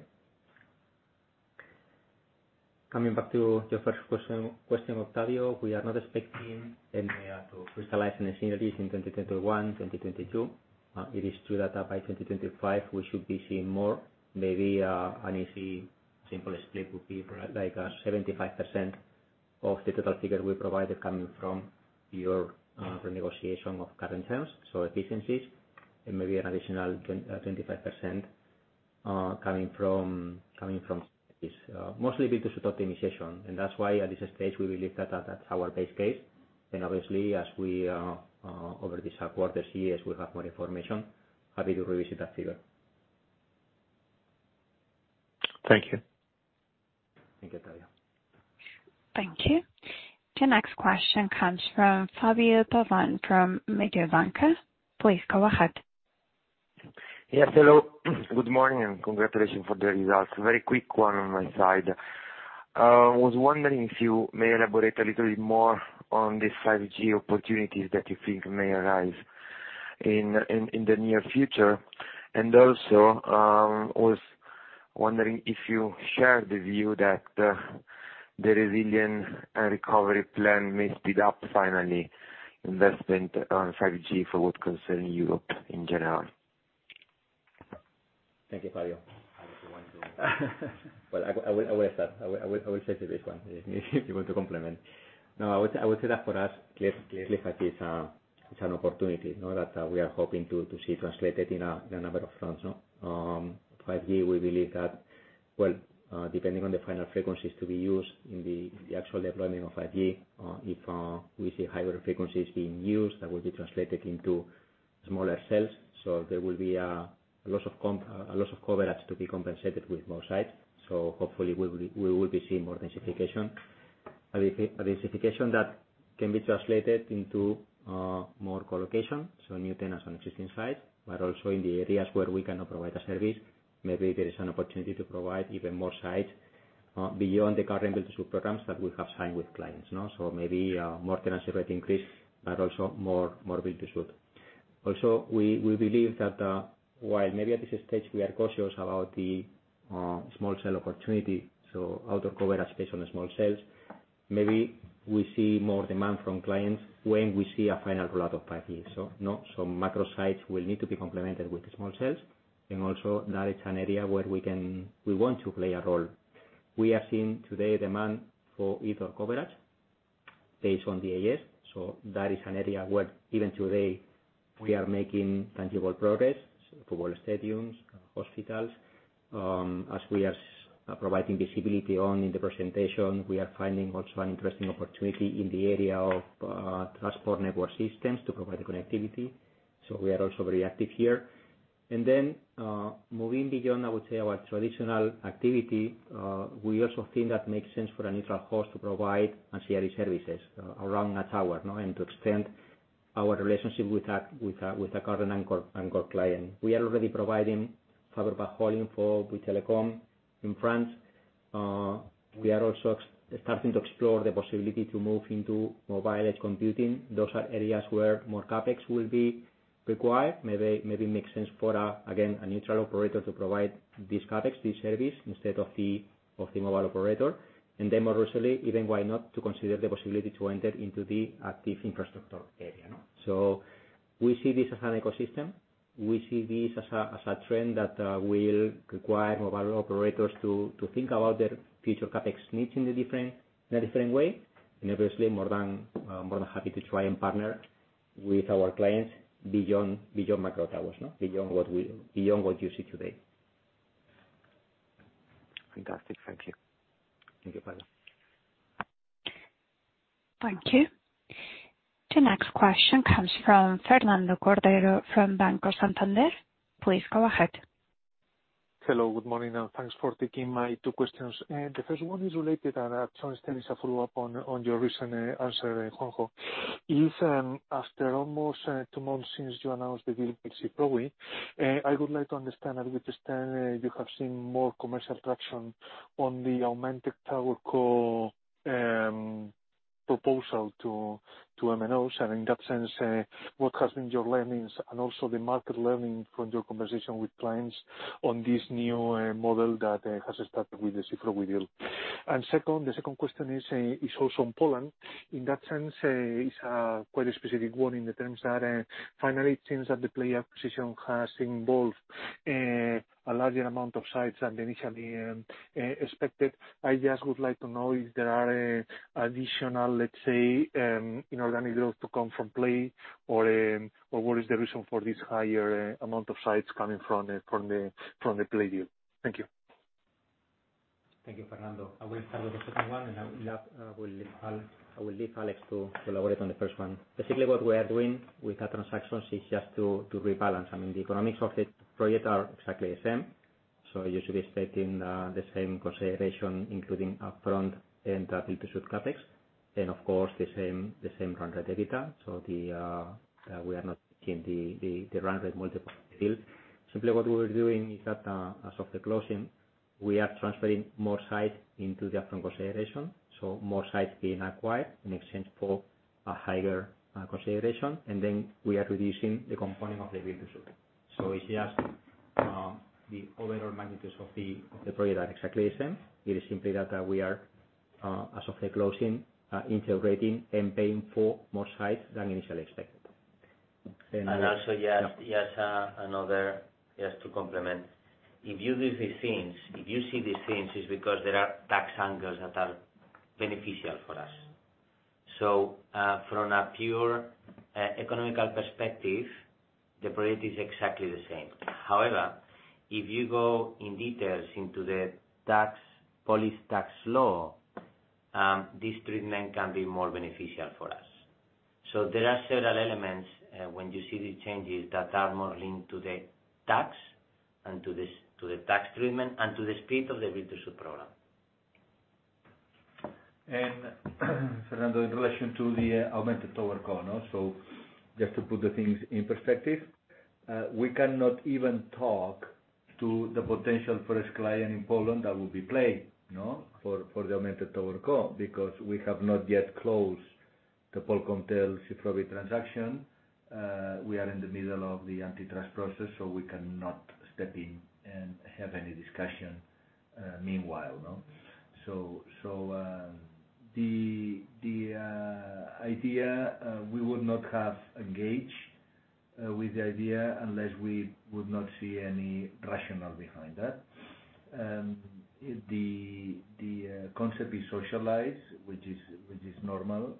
Coming back to your first question, Ottavio. We are not expecting MLA to crystallize any synergies in 2021, 2022. It is true that by 2025, we should be seeing more. Maybe an easy, simple split would be like 75% of the total figure we provided coming from your renegotiation of current terms. Efficiencies and maybe an additional 25% coming from this. Mostly due to site optimization. That's why at this stage, we believe that that's our base case. Obviously, as we over these quarters, years, we have more information, happy to revisit that figure. Thank you. Thank you, Ottavio. Thank you. The next question comes from Fabio Pavan from Mediobanca. Please go ahead. Yes, hello. Good morning, and congratulations for the results. Very quick one on my side. was wondering if you may elaborate a little bit more on the 5G opportunities that you think may arise in the near future. Also, was wondering if you share the view that the Recovery and Resilience Plan may speed up finally investment on 5G for what concern Europe in general. Thank you, Fabio. I don't want to. Well, I will start. I will take this one if you want to complement. I would say that for us, clearly 5G is, it's an opportunity, you know, that we are hoping to see translated in a number of fronts, you know. 5G, we believe that, well, depending on the final frequencies to be used in the actual deployment of 5G, if we see higher frequencies being used, that will be translated into smaller cells. There will be a loss of coverage to be compensated with more sites. Hopefully we will be seeing more densification. A densification that can be translated into more collocation, so new tenants on existing sites, but also in the areas where we cannot provide a service, maybe there is an opportunity to provide even more sites beyond the current Build-to-Suit programs that we have signed with clients, you know. Maybe more tenancy rate increase, but also more Build-to-Suit. We believe that while maybe at this stage we are cautious about the small cell opportunity, so out of coverage based on the small cells, maybe we see more demand from clients when we see a final rollout of 5G. You know, some macro sites will need to be complemented with small cells. That is an area where we want to play a role. We are seeing today demand for indoor coverage based on DAS. That is an area where even today we are making tangible progress, football stadiums, hospitals. As we are providing visibility on in the presentation, we are finding also an interesting opportunity in the area of transport network systems to provide the connectivity. We are also very active here. Moving beyond, I would say, our traditional activity, we also think that makes sense for a neutral host to provide and share these services around a tower, you know, and to extend our relationship with a current anchor client. We are already providing fiber backhaul for Bouygues Telecom in France. We are also starting to explore the possibility to move into Mobile Edge Computing. Those are areas where more CapEx will be required. Maybe makes sense for a neutral operator to provide this CapEx, this service, instead of the mobile operator. More recently, even why not to consider the possibility to enter into the active infrastructure area, you know? We see this as an ecosystem. We see this as a trend that will require mobile operators to think about their future CapEx needs in a different way. Obviously, more than happy to try and partner with our clients beyond macro towers, you know, beyond what you see today. Fantastic. Thank you. Thank you, Fabio. Thank you. The next question comes from Fernando Cordero from Banco Santander. Please go ahead. Hello. Good morning, and thanks for taking my two questions. The first one is related and actually it is a follow-up on your recent answer, Juanjo. If, after almost two months since you announced the deal with Cyfrowy, I would like to understand a little bit, you have seen more commercial traction on the Augmented TowerCo proposal to MNOs. In that sense, what has been your learnings and also the market learning from your conversation with clients on this new model that has started with the Cyfrowy deal? The second question is also on Poland. In that sense, it's a quite a specific one in the terms that finally it seems that the Play acquisition has involved a larger amount of sites than initially expected. I just would like to know if there are additional, let's say, inorganic deals to come from Play or what is the reason for this higher amount of sites coming from the, from the, from the Play deal? Thank you. Thank you, Fernando. I will start with the second one, and I will leave Alex to elaborate on the first one. Basically, what we are doing with that transaction is just to rebalance. I mean, the economics of the project are exactly the same. You should be expecting the same consideration, including upfront and the Build-to-Suit CapEx, and of course, the same run rate EBITDA. We are not changing the run rate multiple still. Simply what we are doing is that as of the closing, we are transferring more sites into the upfront consideration, more sites being acquired in exchange for a higher consideration, and then we are reducing the component of the Build-to-Suit. It's just the overall magnitudes of the project are exactly the same. It is simply that we are as of the closing integrating and paying for more sites than initially expected. Also just another to complement. If you do these things, if you see these things, it's because there are tax angles that are beneficial for us. From a pure economical perspective, the project is exactly the same. However, if you go in details into the tax, Polish tax law, this treatment can be more beneficial for us. There are several elements when you see these changes that are more linked to the tax and to the tax treatment and to the speed of the Build-to-Suit program. Fernando, in relation to the Augmented TowerCo, you know, just to put the things in perspective, we cannot even talk to the potential first client in Poland that will be Play, you know, for the Augmented TowerCo, because we have not yet closed the Polkomtel-Cyfrowy transaction. We are in the middle of the antitrust process, we cannot step in and have any discussion, meanwhile, you know. The idea, we would not have engaged with the idea unless we would not see any rationale behind that. The concept is socialized, which is normal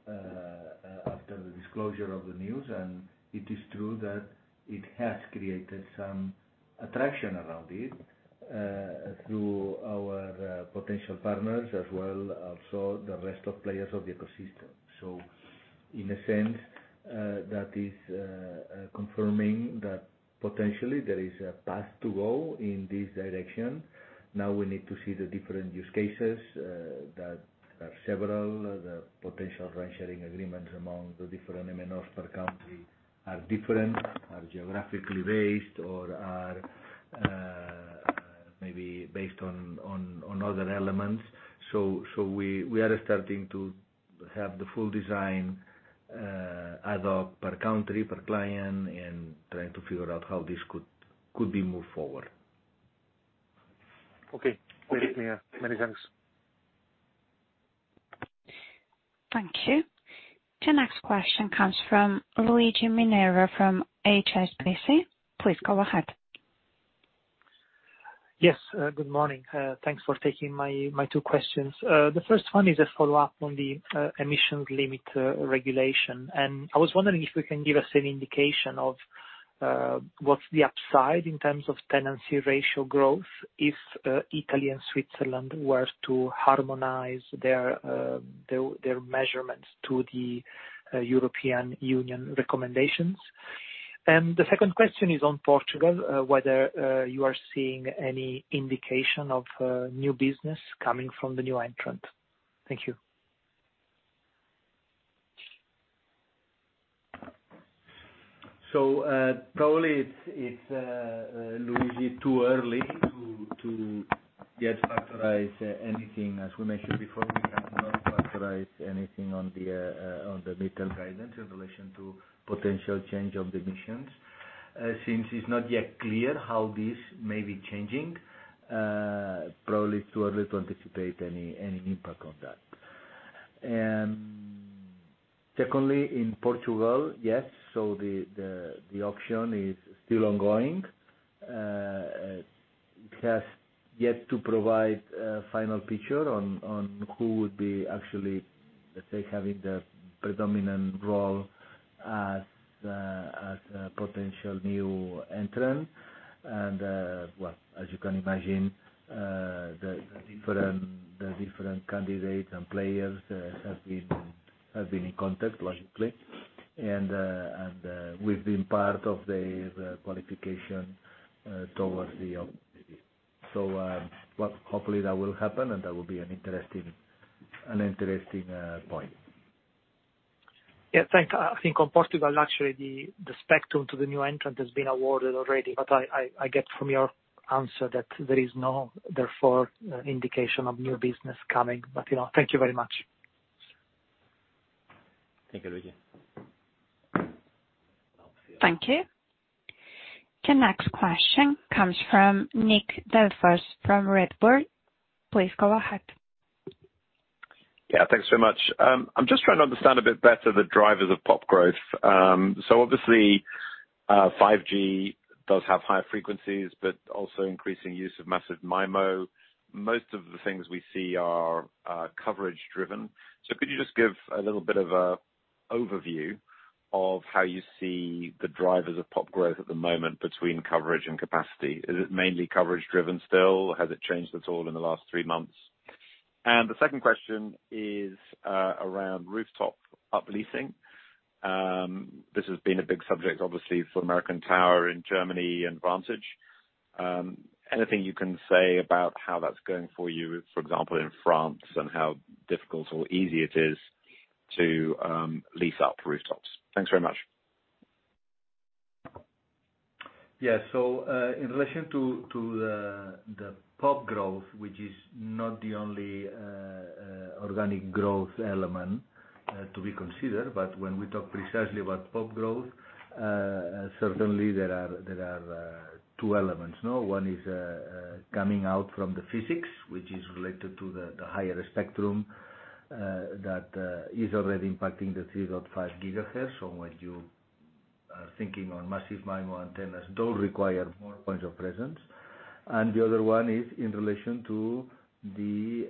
after the disclosure of the news. It is true that it has created some attraction around it, through our potential partners as well also the rest of players of the ecosystem. In a sense, that is confirming that potentially there is a path to go in this direction. We need to see the different use cases that are several. The potential rent sharing agreements among the different MNOs per country are different, are geographically based or are maybe based on other elements. We are starting to have the full design either per country, per client, and trying to figure out how this could be moved forward. Okay. Okay. Many thanks. Thank you. The next question comes from Luigi Minerva from HSBC. Please go ahead. Yes, good morning. Thanks for taking my two questions. The first one is a follow-up on the EMF regulation. I was wondering if you can give us an indication of what's the upside in terms of tenancy ratio growth if Italy and Switzerland were to harmonize their measurements to the European Union recommendations. The second question is on Portugal, whether you are seeing any indication of new business coming from the new entrant. Thank you. Probably it's Luigi, too early to yet factorize anything. As we mentioned before, we cannot factorize anything on the on the middle guidance in relation to potential change of the emissions. Since it's not yet clear how this may be changing, probably it's too early to anticipate any impact on that. Secondly, in Portugal, yes, the auction is still ongoing. It has yet to provide a final picture on who would be actually, let's say, having the predominant role as a potential new entrant. Well, as you can imagine, the different candidates and players have been in contact, logically, we've been part of the qualification towards the opportunity. Well, hopefully, that will happen, and that will be an interesting point. Yeah, thanks. I think on Portugal, actually the spectrum to the new entrant has been awarded already, I get from your answer that there is no, therefore, indication of new business coming. You know. Thank you very much. Thank you, Luigi. Thank you. The next question comes from Nick Delfas from Redburn. Please go ahead. Yeah, thanks so much. I'm just trying to understand a bit better the drivers of PoP growth. Obviously, 5G does have higher frequencies, but also increasing use of massive MIMO. Most of the things we see are coverage driven. Could you just give a little bit of a overview of how you see the drivers of PoP growth at the moment between coverage and capacity? Is it mainly coverage driven still? Has it changed at all in the last three months? The second question is around rooftop up leasing. This has been a big subject, obviously, for American Tower in Germany and Vantage. Anything you can say about how that's going for you, for example, in France, and how difficult or easy it is to lease up rooftops? Thanks very much. Yeah. In relation to the PoP growth, which is not the only organic growth element to be considered, but when we talk precisely about PoP growth, certainly there are two elements, no? One is coming out from the physics, which is related to the higher spectrum that is already impacting the 3.5 GHz. When you are thinking on massive MIMO antennas, those require more Points of Presence. The other one is in relation to the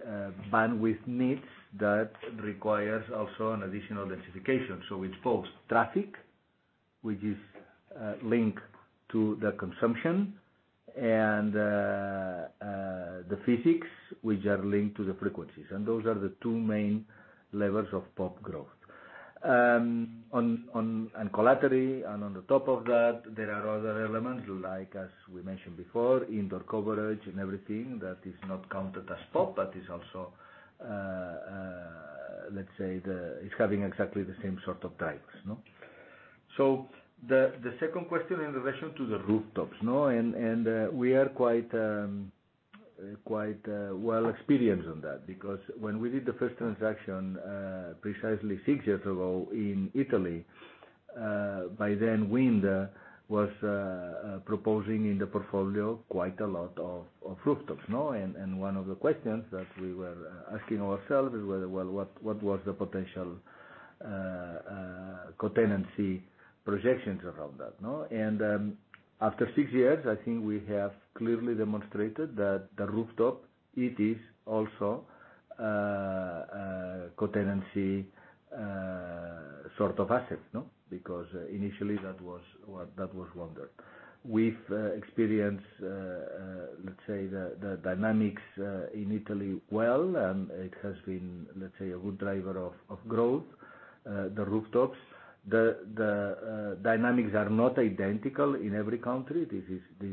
bandwidth needs that requires also an additional densification. It's both traffic, which is linked to the consumption, and the physics, which are linked to the frequencies. Those are the two main levels of PoP growth. Collaterally, and on the top of that, there are other elements like, as we mentioned before, indoor coverage and everything that is not counted as PoP, but is also, let's say, having exactly the same sort of drivers, no? The second question in relation to the rooftops, no? We are quite well experienced on that because when we did the first transaction precisely six years ago in Italy, by then Wind was proposing in the portfolio quite a lot of rooftops, no? One of the questions that we were asking ourselves is whether, well, what was the potential co-tenancy projections around that, no? After six years, I think we have clearly demonstrated that the rooftop, it is also a co-tenancy sort of asset, no? Because initially that was wondered. We've experienced, let's say, the dynamics in Italy well, and it has been, let's say, a good driver of growth. The rooftops. The dynamics are not identical in every country. This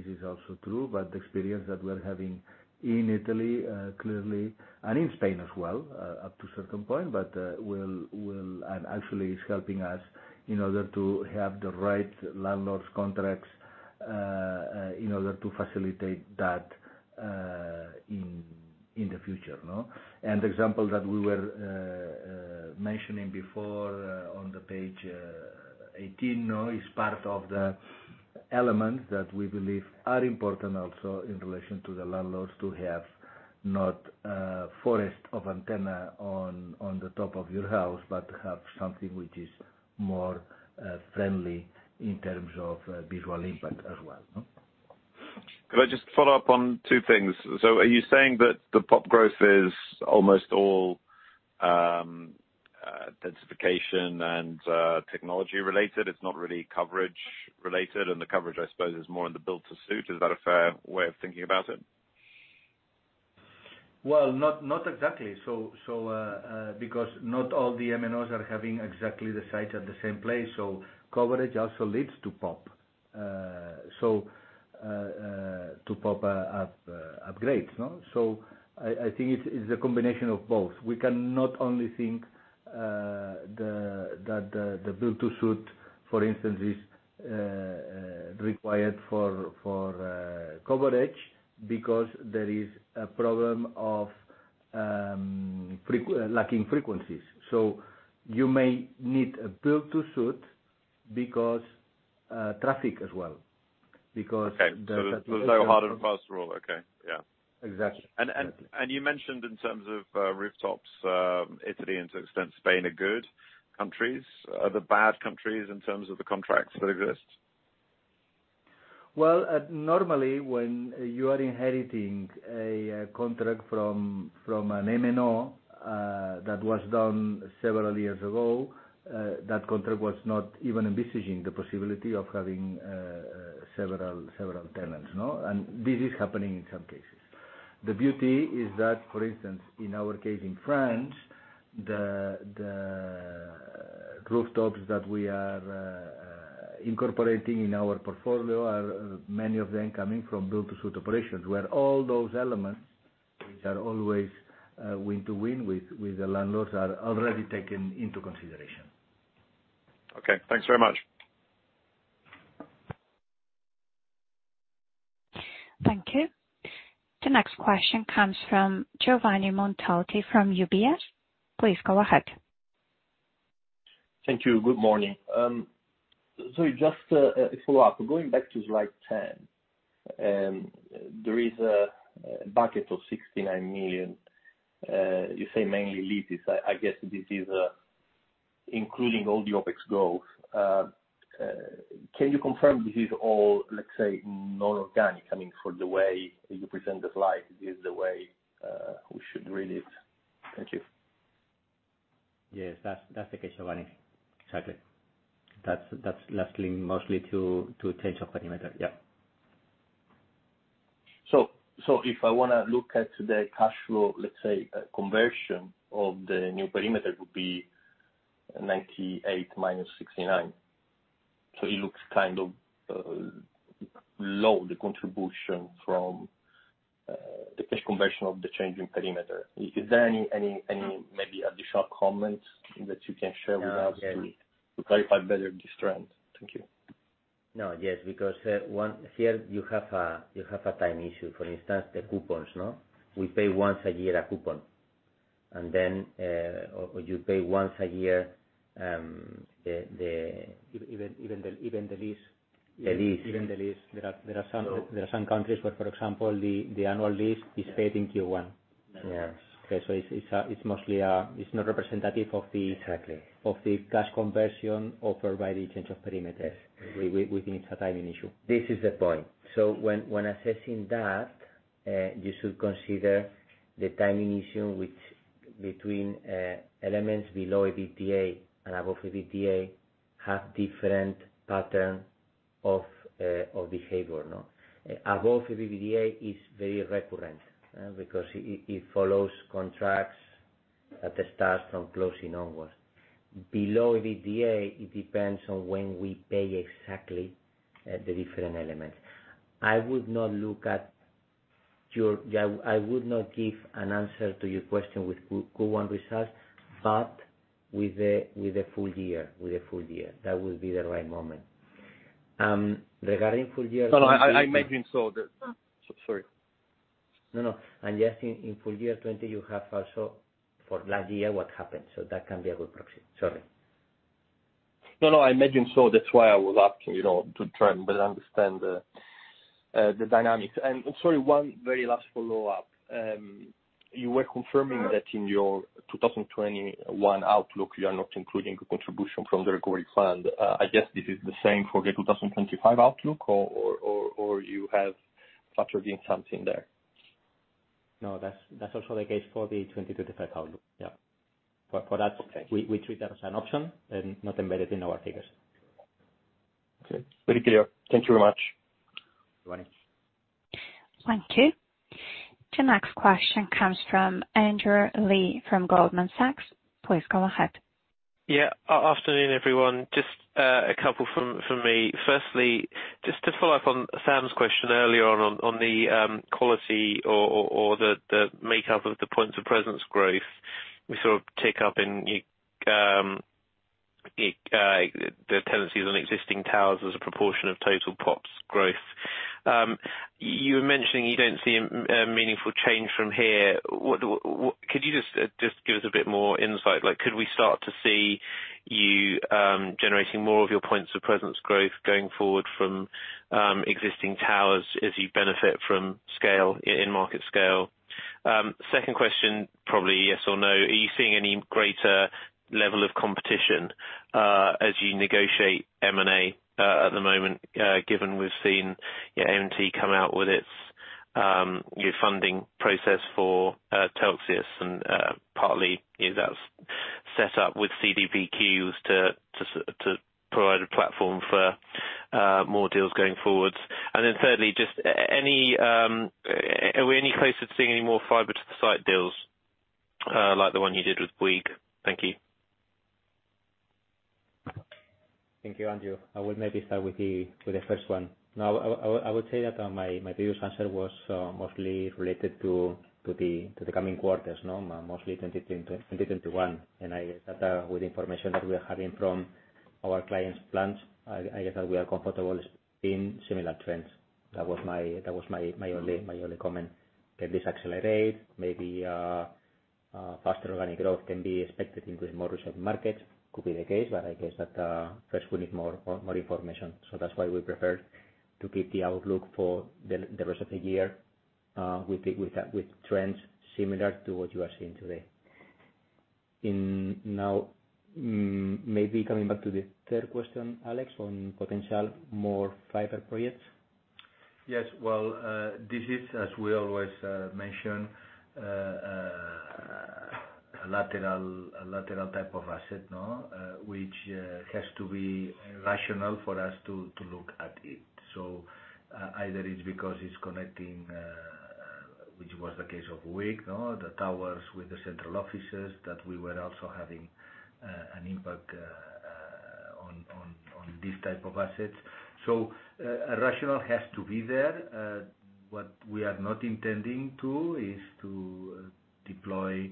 is also true. The experience that we're having in Italy, clearly, and in Spain as well, up to a certain point. Actually, it's helping us in order to have the right landlords contracts in order to facilitate that in the future, no? The example that we were mentioning before on the Page 18 is part of the elements that we believe are important also in relation to the landlords to have not a forest of antennas on the top of your house, but have something which is more friendly in terms of visual impact as well, no? Could I just follow up on two things? Are you saying that the PoPs growth is almost all densification and technology related? It's not really coverage related, and the coverage, I suppose, is more in the Build-to-Suit. Is that a fair way of thinking about it? Well, not exactly. Because not all the MNOs are having exactly the site at the same place, so coverage also leads to PoP. To PoP upgrades, no? I think it's a combination of both. We cannot only think that the Build-to-Suit, for instance, is required for coverage because there is a problem of lacking frequencies. You may need a Build-to-Suit because traffic as well. Okay. There's no hard and fast rule. Okay. Yeah. Exactly. You mentioned in terms of rooftops, Italy and to an extent Spain are good countries. Are there bad countries in terms of the contracts that exist? Well, normally, when you are inheriting a contract from an MNO, that was done several years ago, that contract was not even envisaging the possibility of having several tenants, no? This is happening in some cases. The beauty is that, for instance, in our case in France, the rooftops that we are incorporating in our portfolio are many of them coming from Build-to-Suit operations, where all those elements which are always win to win with the landlords are already taken into consideration. Okay. Thanks very much. Thank you. The next question comes from Giovanni Montalti from UBS. Please go ahead. Thank you. Good morning. Just a follow-up. Going back to Slide 10, there is a bucket of 69 million. You say mainly leases. I guess this is including all the OpEx growth. Can you confirm this is all, let's say, non-organic? I mean, for the way you present the slide, this is the way we should read it. Thank you. Yes. That's the case, Giovanni. Exactly. That's largely, mostly to change of perimeter. Yeah. If I wanna look at the cash flow, let's say, conversion of the new perimeter would be 98 minus 69. It looks kind of low, the contribution from the cash conversion of the change in perimeter. Is there any maybe additional comments that you can share with us? Yeah. To clarify better this trend? Thank you. No. Yes, because, one here you have a time issue. For instance, the coupons, no? We pay once a year a coupon, and then, or you pay once a year the. Even the lease. The lease. Even the lease. There are some. So- There are some countries where, for example, the annual lease is paid in Q1. Yes. Okay. So it's mostly, it's not representative of the- Exactly. Of the cash conversion offered by the change of perimeters. We think it's a timing issue. This is the point. When assessing that, you should consider the timing issue which between elements below EBITDA and above EBITDA have different pattern of behavior. Above EBITDA is very recurrent, because it follows contracts at the start from closing onwards. Below EBITDA, it depends on when we pay exactly the different elements. I would not give an answer to your question with Q1 results, but with the full year. That will be the right moment. No, no, I imagine so. Sorry. No, no. Yes, in full year 2020, you have also for last year what happened, so that can be a good proxy. Sorry. No, no, I imagine so. That's why I was asking, you know, to try and better understand the dynamics. Sorry, one very last follow-up. You were confirming that in your 2021 outlook, you are not including the contribution from the Recovery Fund. I guess this is the same for the 2025 outlook or you have factor in something there? No, that's also the case for the 2025 outlook. Yeah. Okay. We treat that as an option and not embedded in our figures. Okay. Very clear. Thank you very much. Good morning. Thank you. The next question comes from Andrew Lee from Goldman Sachs. Please go ahead. Afternoon, everyone. Just a couple from me. Firstly, just to follow up on Sam's question earlier on the quality or the makeup of the points of presence growth. We sort of take up in the tenancies on existing towers as a proportion of total PoPs growth. You were mentioning you don't see a meaningful change from here. Could you just give us a bit more insight? Like, could we start to see you generating more of your points of presence growth going forward from existing towers as you benefit from scale, in market scale? Second question, probably yes or no. Are you seeing any greater level of competition as you negotiate M&A at the moment, given we've seen, yeah, AMT come out with its new funding process for Telxius and partly that's set up with CDPQ to provide a platform for more deals going forward. Thirdly, just any, are we any closer to seeing any more fiber to the site deals like the one you did with WIG? Thank you. Thank you, Andrew. I will maybe start with the first one. I would say that my previous answer was mostly related to the coming quarters, no? Mostly 2020, 2021. I guess that with the information that we are having from our clients' plans, I guess that we are comfortable seeing similar trends. That was my only comment. Can this accelerate? Maybe faster organic growth can be expected into the more recent markets. Could be the case, I guess that first we need more information. That's why we prefer to keep the outlook for the rest of the year with trends similar to what you are seeing today. In now, maybe coming back to the third question, Àlex, on potential more fiber projects. Yes. Well, this is, as we always mention, a lateral, a lateral type of asset. Which has to be rational for us to look at it. Either it's because it's connecting, which was the case of WIG, the towers with the central offices that we were also having an impact on this type of assets. A rationale has to be there. What we are not intending to, is to deploy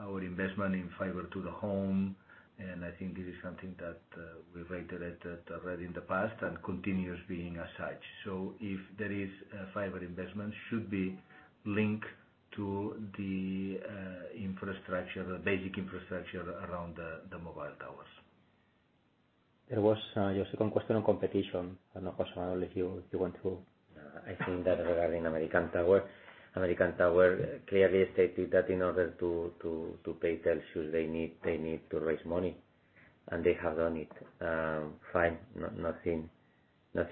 our investment in fiber to the home. I think this is something that we've reiterated already in the past and continues being as such. If there is a fiber investment, should be linked to the infrastructure, the basic infrastructure around the mobile towers. There was, your second question on competition. I don't know, José Manuel, if you want to. I think that regarding American Tower. American Tower clearly stated that in order to pay Telxius, they need to raise money, and they have done it. fine.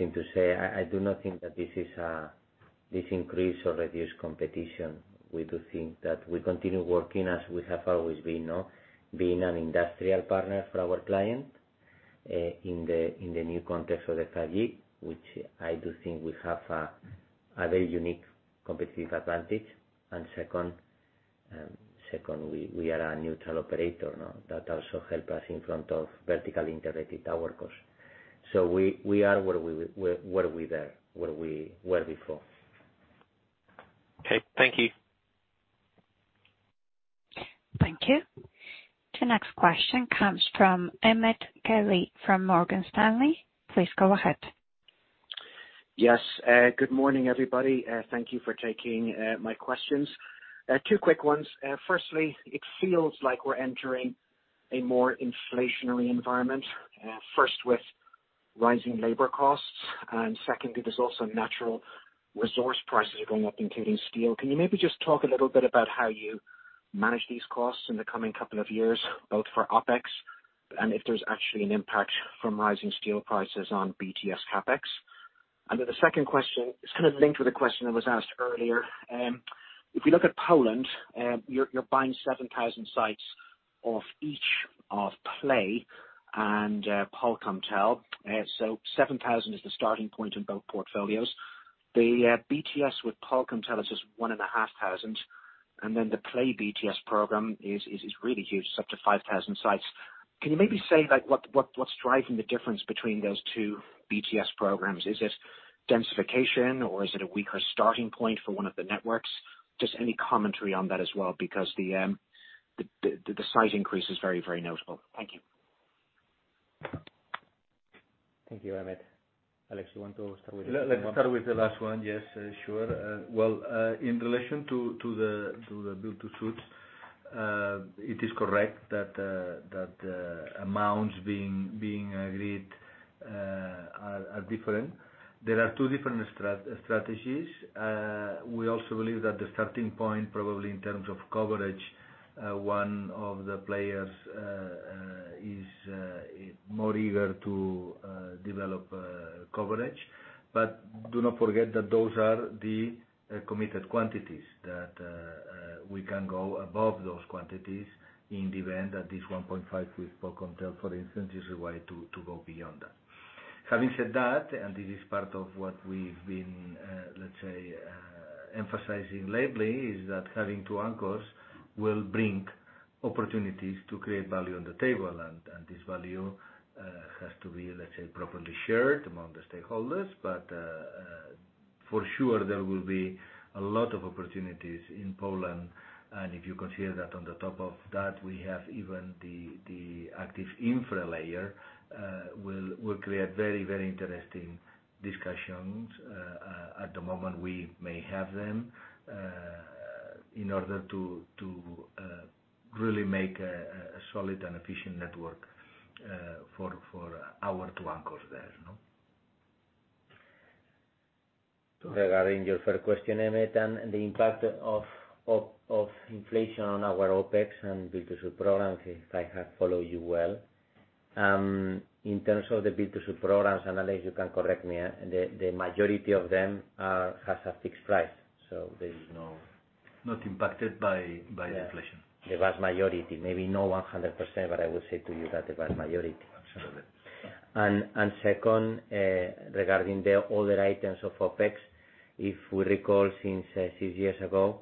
nothing to say. I do not think that this is this increase or reduce competition. We do think that we continue working as we have always been, no? Being an industrial partner for our client in the new context of the 5G, which I do think we have a very unique competitive advantage. And second, we are a neutral operator, no? That also help us in front of vertically integrated towercos. we are where we where we were there, where we were before. Okay. Thank you. Thank you. The next question comes from Emmet Kelly from Morgan Stanley. Please go ahead. Yes. Good morning, everybody. Thank you for taking my questions. Two quick ones. Firstly, it feels like we're entering a more inflationary environment, first with rising labor costs, secondly, there's also natural resource prices are going up, including steel. Can you maybe just talk a little bit about how you manage these costs in the coming couple of years, both for OpEx, and if there's actually an impact from rising steel prices on BTS CapEx? The second question is kind of linked with a question that was asked earlier. If we look at Poland, you're buying 7,000 sites off each of Play and Polkomtel. 7,000 is the starting point in both portfolios. The BTS with Polkomtel is just 1,500, the Play BTS program is really huge. It's up to 5,000 sites. Can you maybe say, like what's driving the difference between those two BTS programs? Is it densification or is it a weaker starting point for one of the networks? Just any commentary on that as well, because the size increase is very, very notable. Thank you. Thank you, Emmet. Àlex, you want to start with this one? Let's start with the last one. Yes, sure. Well, in relation to the Build-to-Suit, it is correct that amounts being agreed are different. There are two different strategies. We also believe that the starting point, probably in terms of coverage, one of the players is more eager to develop coverage. Do not forget that those are the committed quantities that we can go above those quantities in the event that this 1.5 with Polkomtel, for instance, is a way to go beyond that. Having said that, this is part of what we've been, let's say, emphasizing lately, is that having two anchors will bring opportunities to create value on the table. This value has to be, let's say, properly shared among the stakeholders. For sure, there will be a lot of opportunities in Poland. If you consider that on the top of that, we have even the active infra layer, will create very, very interesting discussions. At the moment, we may have them in order to really make a solid and efficient network for our two anchors there, you know? Regarding your first question, Emmet, and the impact of inflation on our OpEx and B2C programs, if I have followed you well. In terms of the B2C programs, Àlex, you can correct me, the majority of them has a fixed price. Not impacted by inflation. The vast majority. Maybe no 100%, but I would say to you that the vast majority. Absolutely. Second, regarding the other items of OpEx, if we recall since six years ago,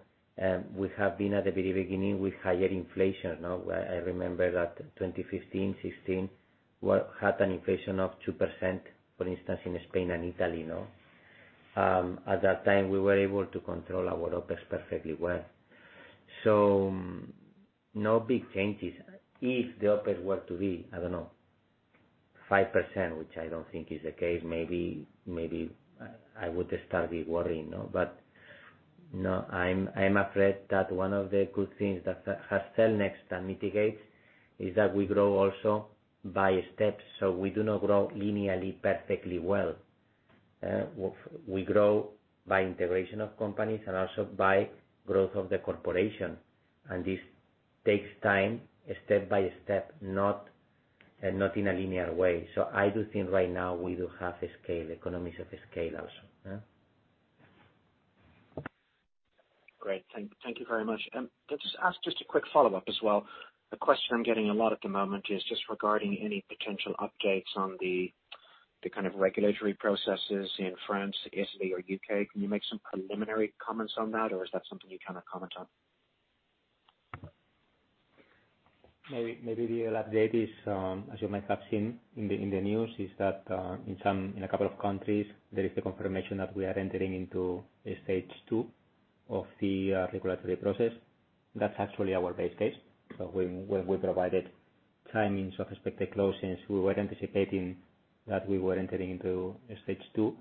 we have been at the very beginning with higher inflation, you know. I remember that 2015, 2016, we had an inflation of 2%, for instance, in Spain and Italy, you know. At that time, we were able to control our OpEx perfectly well. No big changes. If the OpEx were to be, I don't know, 5%, which I don't think is the case, maybe I would start worrying, you know. No, I'm afraid that one of the good things that has Cellnex can mitigate is that we grow also by steps. We do not grow linearly perfectly well. We grow by integration of companies and also by growth of the corporation. This takes time, step by step, not in a linear way. I do think right now we do have a scale, economies of scale also, yeah. Great. Thank you very much. Can I just ask just a quick follow-up as well? A question I'm getting a lot at the moment is just regarding any potential updates on the kind of regulatory processes in France, Italy, or U.K. Can you make some preliminary comments on that, or is that something you cannot comment on? Maybe the update is, as you might have seen in the news, is that in a couple of countries, there is the confirmation that we are entering into a stage two of the regulatory process. That's actually our base case. When we provided timings of expected closings, we were anticipating that we were entering into stage two.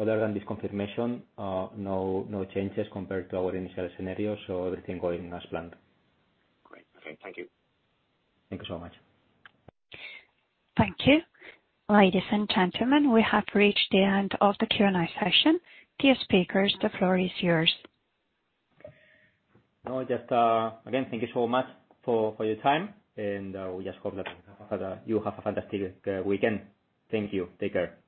Other than this confirmation, no changes compared to our initial scenario. Everything going as planned. Great. Okay. Thank you. Thank you so much. Thank you. Ladies and gentlemen, we have reached the end of the Q&A session. Dear speakers, the floor is yours. Now just, again, thank you so much for your time, and we just hope that you have a fantastic weekend. Thank you. Take care.